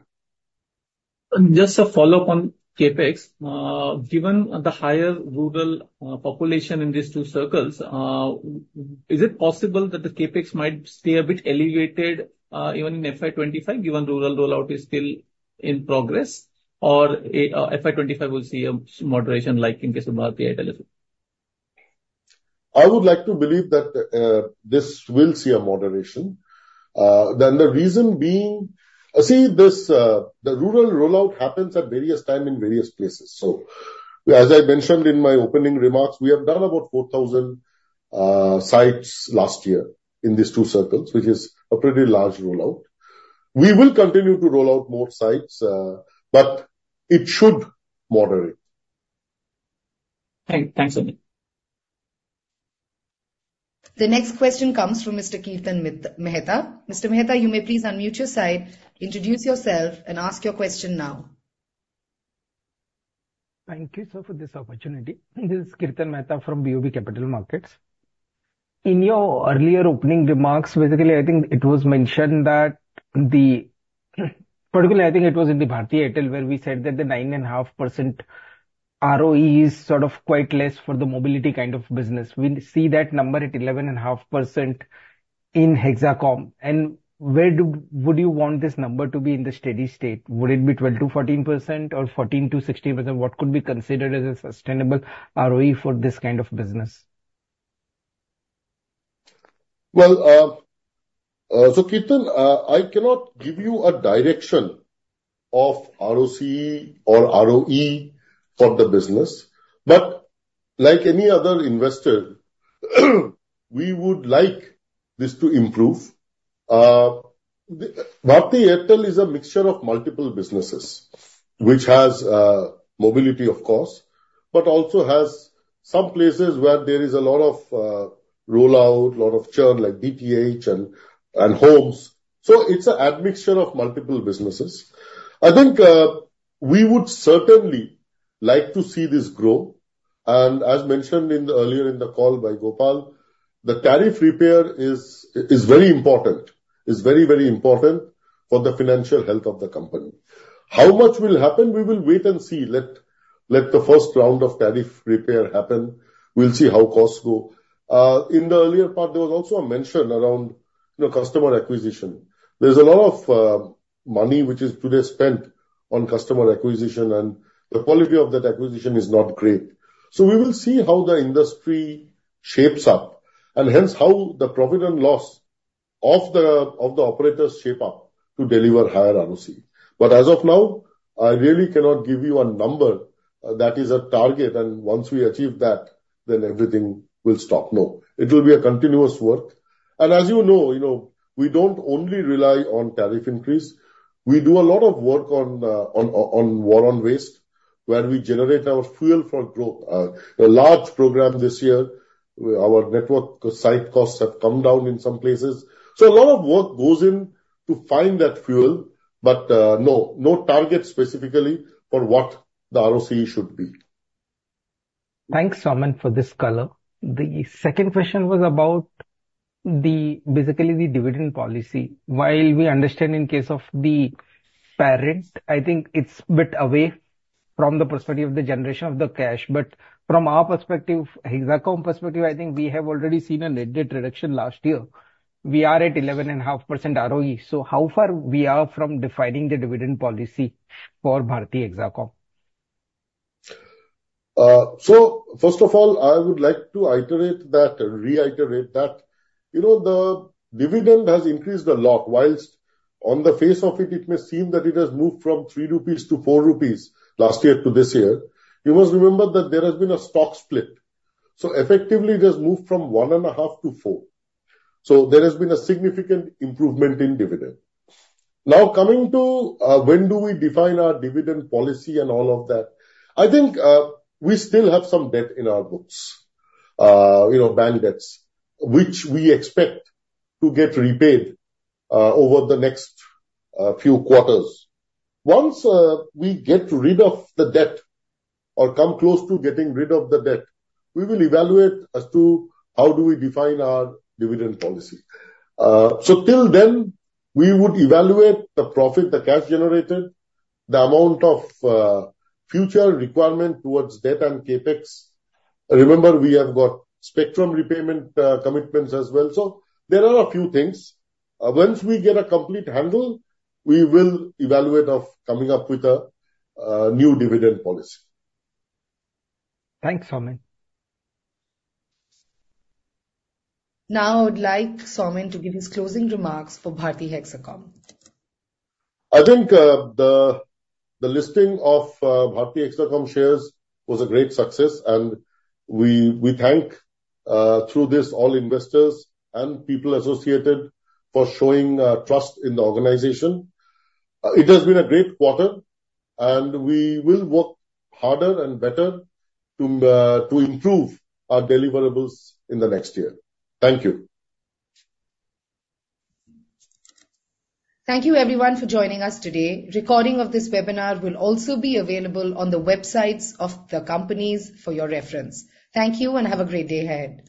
Just a follow-up on CapEx. Given the higher rural population in these two circles, is it possible that the CapEx might stay a bit elevated, even in FY 25, given rural rollout is still in progress? Or, FY 25 will see a moderation, like in case of Bharti Airtel? I would like to believe that this will see a moderation. Then the reason being, see, this, the rural rollout happens at various times in various places. So as I mentioned in my opening remarks, we have done about 4,000 sites last year in these two circles, which is a pretty large rollout. We will continue to roll out more sites, but it should moderate. Thanks a lot. The next question comes from Mr. Kirtan Mehta. Mr. Mehta, you may please unmute your side, introduce yourself, and ask your question now. Thank you, sir, for this opportunity. This is Kirtan Mehta from BOB Capital Markets. In your earlier opening remarks, basically, I think it was mentioned that the, particularly, I think it was in the Bharti Airtel, where we said that the 9.5% ROE is sort of quite less for the mobility kind of business. We see that number at 11.5% in Hexacom. And where do, would you want this number to be in the steady state? Would it be 12%-14% or 14%-16%? What could be considered as a sustainable ROE for this kind of business? Well, so Kirtan, I cannot give you a direction of ROCE or ROE for the business, but like any other investor, we would like this to improve. The Bharti Airtel is a mixture of multiple businesses, which has, mobility, of course, but also has some places where there is a lot of, rollout, a lot of churn, like DTH and, and homes. So it's a admixture of multiple businesses. I think, we would certainly like to see this grow. And as mentioned earlier in the call by Gopal, the tariff repair is, very important. It's very, very important for the financial health of the company. How much will happen, we will wait and see. Let the first round of tariff repair happen. We'll see how costs go. In the earlier part, there was also a mention around, you know, customer acquisition. There's a lot of money which is today spent on customer acquisition, and the quality of that acquisition is not great. So we will see how the industry shapes up, and hence, how the profit and loss of the operators shape up to deliver higher ROCE. But as of now, I really cannot give you a number that is a target, and once we achieve that, then everything will stop. No, it will be a continuous work. And as you know, you know, we don't only rely on tariff increase. We do a lot of work on war on waste, where we generate our fuel for growth. A large program this year, our network site costs have come down in some places. So a lot of work goes into finding that fuel, but, no, no target specifically for what the ROCE should be. Thanks, Soumen, for this color. The second question was about the, basically, the dividend policy. While we understand in case of the parent, I think it's a bit away from the perspective of the generation of the cash, but from our perspective, Hexacom perspective, I think we have already seen a dividend reduction last year. We are at 11.5% ROE. So how far we are from defining the dividend policy for Bharti Hexacom? So first of all, I would like to iterate that, reiterate that, you know, the dividend has increased a lot. Whilst on the face of it, it may seem that it has moved from 3 rupees to 4 rupees last year to this year, you must remember that there has been a stock split. So effectively, it has moved from 1.5 to 4. So there has been a significant improvement in dividend. Now, coming to, when do we define our dividend policy and all of that? I think, we still have some debt in our books, you know, bank debts, which we expect to get repaid, over the next, few quarters. Once, we get rid of the debt or come close to getting rid of the debt, we will evaluate as to how do we define our dividend policy. So till then, we would evaluate the profit, the cash generated, the amount of, future requirement towards debt and CapEx. Remember, we have got spectrum repayment, commitments as well. So there are a few things. Once we get a complete handle, we will evaluate of coming up with a, new dividend policy. Thanks, Soumen. Now, I would like Soumen to give his closing remarks for Bharti Hexacom. I think the listing of Bharti Hexacom shares was a great success, and we thank through this all investors and people associated for showing trust in the organization. It has been a great quarter, and we will work harder and better to improve our deliverables in the next year. Thank you. Thank you everyone for joining us today. Recording of this webinar will also be available on the websites of the companies for your reference. Thank you and have a great day ahead.